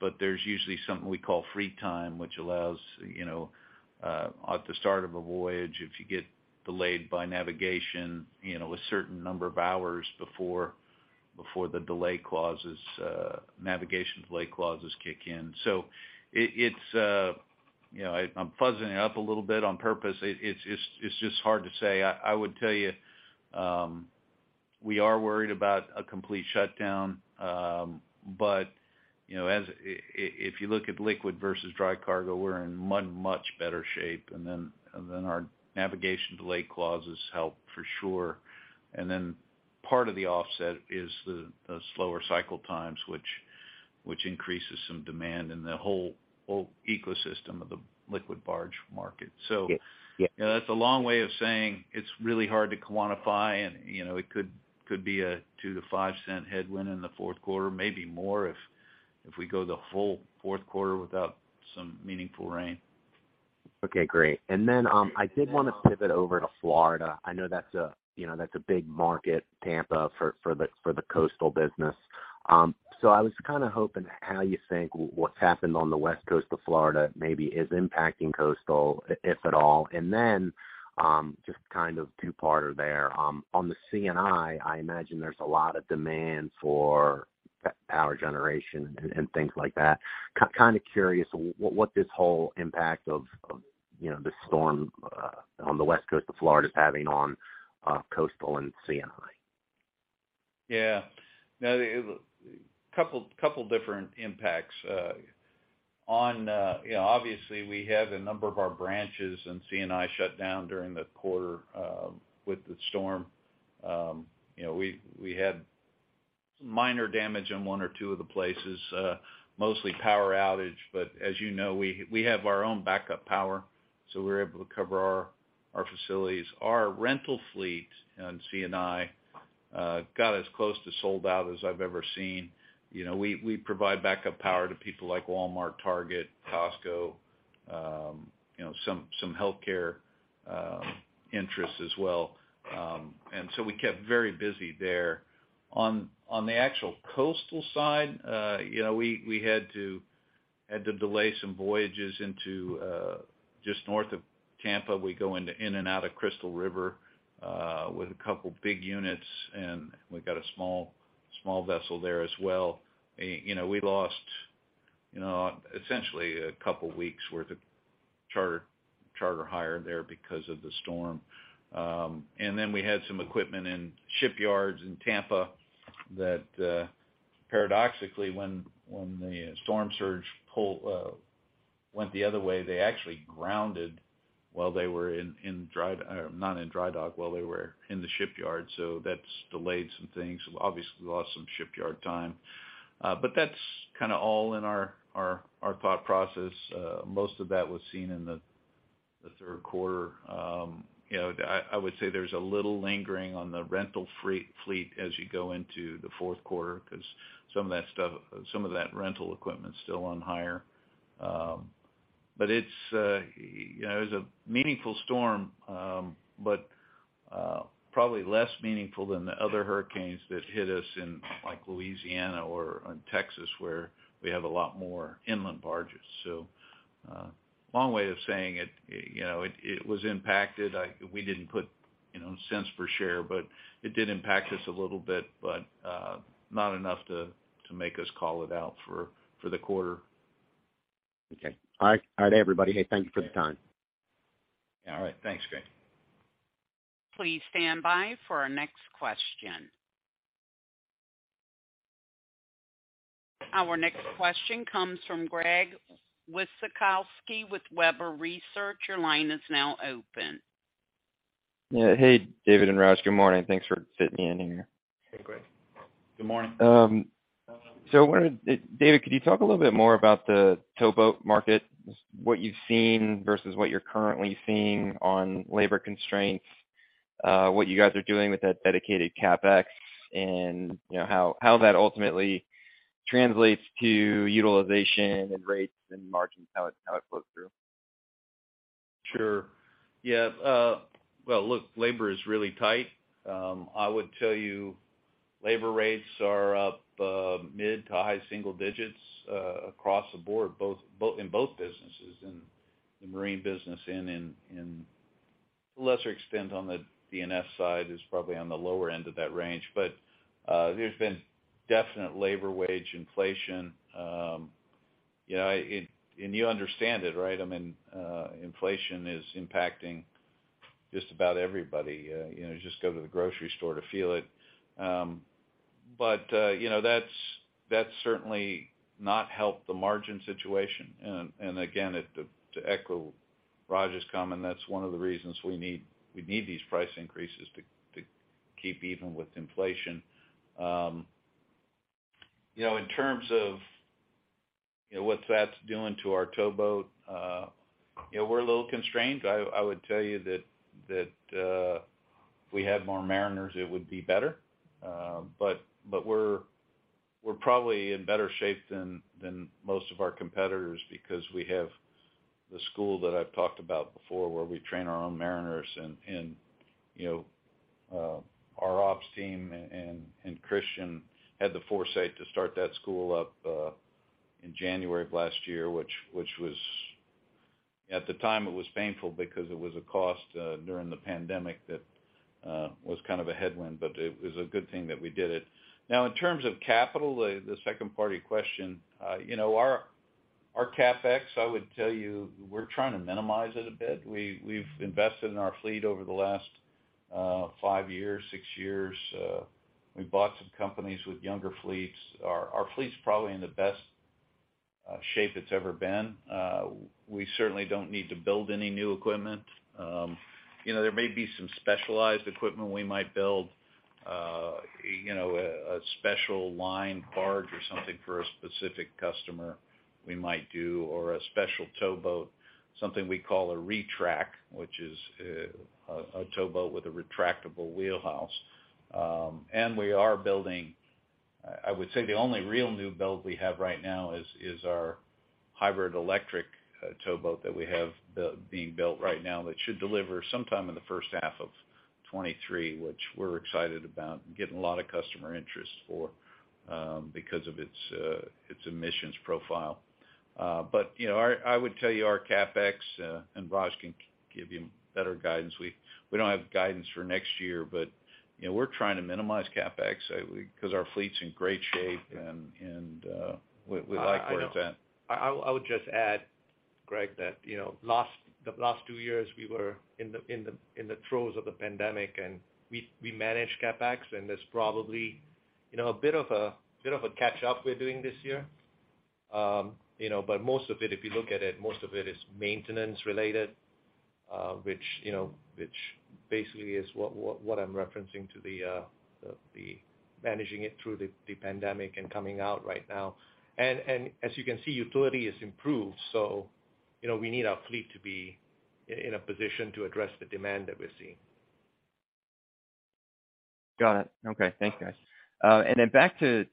but there's usually something we call free time, which allows at the start of a voyage, if you get delayed by navigation you know a certain number of hours before the delay clauses, navigation delay clauses kick in. It's you know I'm fuzzing it up a little bit on purpose. It's just hard to say. I would tell you we are worried about a complete shutdown. If you look at liquid versus dry cargo, we're in much better shape, and then our navigation delay clauses help for sure. Part of the offset is the slower cycle times, which increases some demand in the whole ecosystem of the liquid barge market. Yeah. Yeah. That's a long way of saying it's really hard to quantify, and, you know, it could be a $0.02-0.05 headwind in the Q4, maybe more if we go the whole Q4 without some meaningful rain. Okay, great. I did wanna pivot over to Florida. I know that's a you know big market, Tampa for the coastal business. I was kinda hoping how you think what's happened on the west coast of Florida maybe is impacting coastal, if at all. Just kind of two-parter there on the C&I imagine there's a lot of demand for power generation and things like that. Kind of curious what this whole impact of you know the storm on the west coast of Florida is having on coastal and C&I. Yeah. No, a couple of different impacts. You know, obviously, we had a number of our branches in C&I shut down during the quarter with the storm. You know, we had minor damage in one or two of the places, mostly power outage. As you know, we have our own backup power, so we're able to cover our facilities. Our rental fleet in C&I got as close to sold out as I've ever seen. You know, we provide backup power to people like Walmart, Target, Costco, you know, some healthcare interests as well. We kept very busy there. On the actual coastal side, you know, we had to delay some voyages into just north of Tampa. We go in and out of Crystal River with a couple big units, and we've got a small vessel there as well. You know, we lost, you know, essentially a couple of weeks worth of charter hire there because of the storm. Then we had some equipment in shipyards in Tampa that, paradoxically, when the storm surge went the other way, they actually grounded while they were not in dry dock, while they were in the shipyard. That's delayed some things. Obviously lost some shipyard time. That's kinda all in our thought process. Most of that was seen in the Q3. You know, I would say there's a little lingering on the rental fleet as you go into the Q4 because some of that rental equipment is still on hire. It's, you know, it's a meaningful storm, but probably less meaningful than the other hurricanes that hit us in like Louisiana or in Texas, where we have a lot more inland barges. Long way of saying it, you know, it was impacted. We didn't put, you know, cents per share, but it did impact us a little bit, but not enough to make us call it out for the quarter. Okay. All right, everybody. Hey, thank you for the time. All right. Thanks, Greg. Please stand by for our next question. Our next question comes from Gregory Wasikowski with Webber Research. Your line is now open. Yeah. Hey, David and Raj. Good morning. Thanks for fitting me in here. Hey, Greg. Good morning. David Grzebinski, could you talk a little bit more about the towboat market, just what you've seen versus what you're currently seeing on labor constraints, what you guys are doing with that dedicated CapEx and, you know, how that ultimately translates to utilization and rates and margins, how it flows through? Sure. Yeah. Well, look, labor is really tight. I would tell you labor rates are up mid- to high-single digits across the board, both in both businesses, in the marine business and, to a lesser extent, on the D&S side is probably on the lower end of that range. There's been definite labor wage inflation. You know, you understand it, right? I mean, inflation is impacting just about everybody. You know, just go to the grocery store to feel it. You know, that's certainly not helped the margin situation. Again, to echo Raj's comment, that's one of the reasons we need these price increases to keep even with inflation. You know, in terms of what that's doing to our towboat, you know, we're a little constrained. I would tell you that if we had more mariners, it would be better. But we're probably in better shape than most of our competitors because we have the school that I've talked about before, where we train our own mariners and, you know, our ops team and Christian had the foresight to start that school up in January of last year, which was at the time painful because it was a cost during the pandemic that was kind of a headwind, but it was a good thing that we did it. Now, in terms of capital, the second part of your question, you know, our CapEx, I would tell you, we're trying to minimize it a bit. We've invested in our fleet over the last 5 years, 6 years. We bought some companies with younger fleets. Our fleet's probably in the best shape it's ever been. We certainly don't need to build any new equipment. You know, there may be some specialized equipment we might build, you know, a special line barge or something for a specific customer we might do, or a special towboat, something we call a retract, which is a towboat with a retractable wheelhouse. We are building. I would say the only real new build we have right now is our hybrid electric towboat that we have being built right now, that should deliver sometime in the first half of 2023, which we're excited about and getting a lot of customer interest for because of its emissions profile. You know, I would tell you our CapEx and Raj can give you better guidance. We don't have guidance for next year, you know, we're trying to minimize CapEx 'cause our fleet's in great shape and we like where it's at. I would just add, Greg, that you know, the last two years we were in the throes of the pandemic, and we managed CapEx and there's probably a bit of a catch up we're doing this year. You know, but most of it, if you look at it, most of it is maintenance related, which basically is what I'm referencing to the managing it through the pandemic and coming out right now. As you can see, utilization has improved, so you know, we need our fleet to be in a position to address the demand that we're seeing. Got it. Okay. Thanks, guys. Back to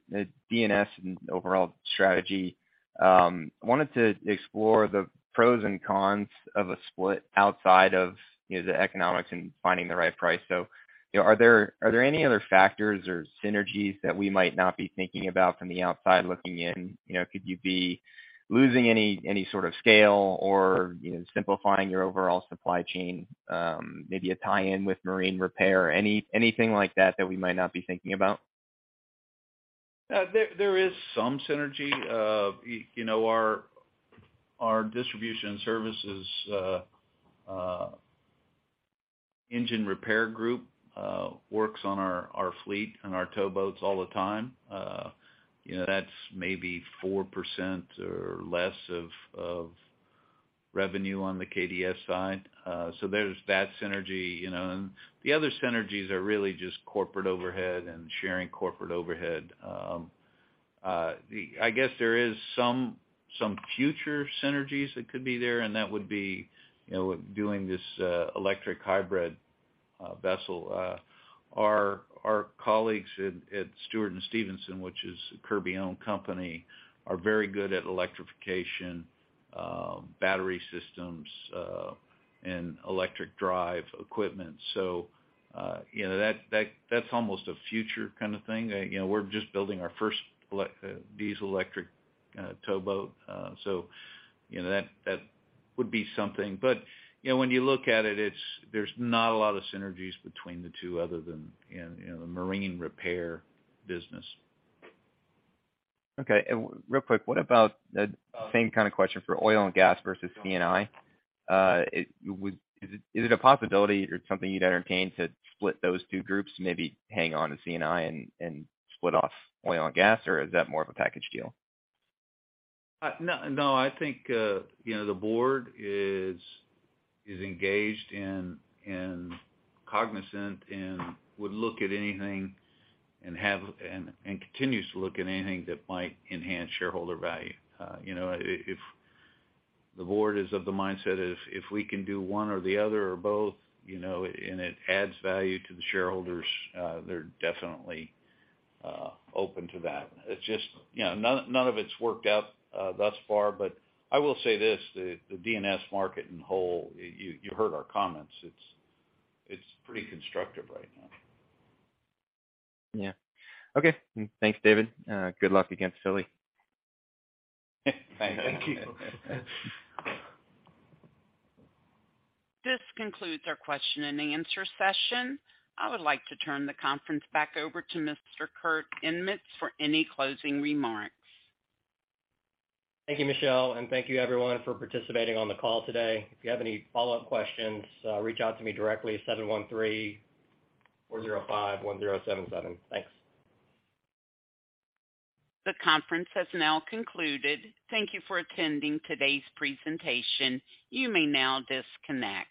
D&S and overall strategy, I wanted to explore the pros and cons of a split outside of, you know, the economics and finding the right price. You know, are there any other factors or synergies that we might not be thinking about from the outside looking in? You know, could you be losing any sort of scale or, you know, simplifying your overall supply chain, maybe a tie-in with marine repair? Anything like that we might not be thinking about? There is some synergy. You know, our distribution and services engine repair group works on our fleet and our towboats all the time. You know, that's maybe 4% or less of revenue on the KDS side. There's that synergy, you know. The other synergies are really just corporate overhead and sharing corporate overhead. I guess there is some future synergies that could be there, and that would be, you know, with doing this electric hybrid vessel. Our colleagues at Stewart & Stevenson, which is a Kirby-owned company, are very good at electrification, battery systems, and electric drive equipment. You know, that's almost a future kind of thing. You know, we're just building our first diesel electric towboat. You know, that would be something. You know, when you look at it, there's not a lot of synergies between the two other than in, you know, the marine repair business. Okay. Real quick, what about same kind of question for oil and gas versus C&I? Is it a possibility or something you'd entertain to split those two groups, maybe hang on to C&I and split off oil and gas? Or is that more of a package deal? No, no. I think, you know, the board is engaged and cognizant and would look at anything and continues to look at anything that might enhance shareholder value. You know, if the board is of the mindset if we can do one or the other or both, you know, and it adds value to the shareholders, they're definitely open to that. It's just you know, none of it's worked out thus far. I will say this, the D&S market in whole, you heard our comments, it's pretty constructive right now. Yeah. Okay. Thanks, David. Good luck against Philly. Thank you. Thank you. This concludes our question and answer session. I would like to turn the conference back over to Mr. Kurt Niemietz for any closing remarks. Thank you, Michelle. Thank you everyone for participating on the call today. If you have any follow-up questions, reach out to me directly at 713-405-1077. Thanks. The conference has now concluded. Thank you for attending today's presentation. You may now disconnect.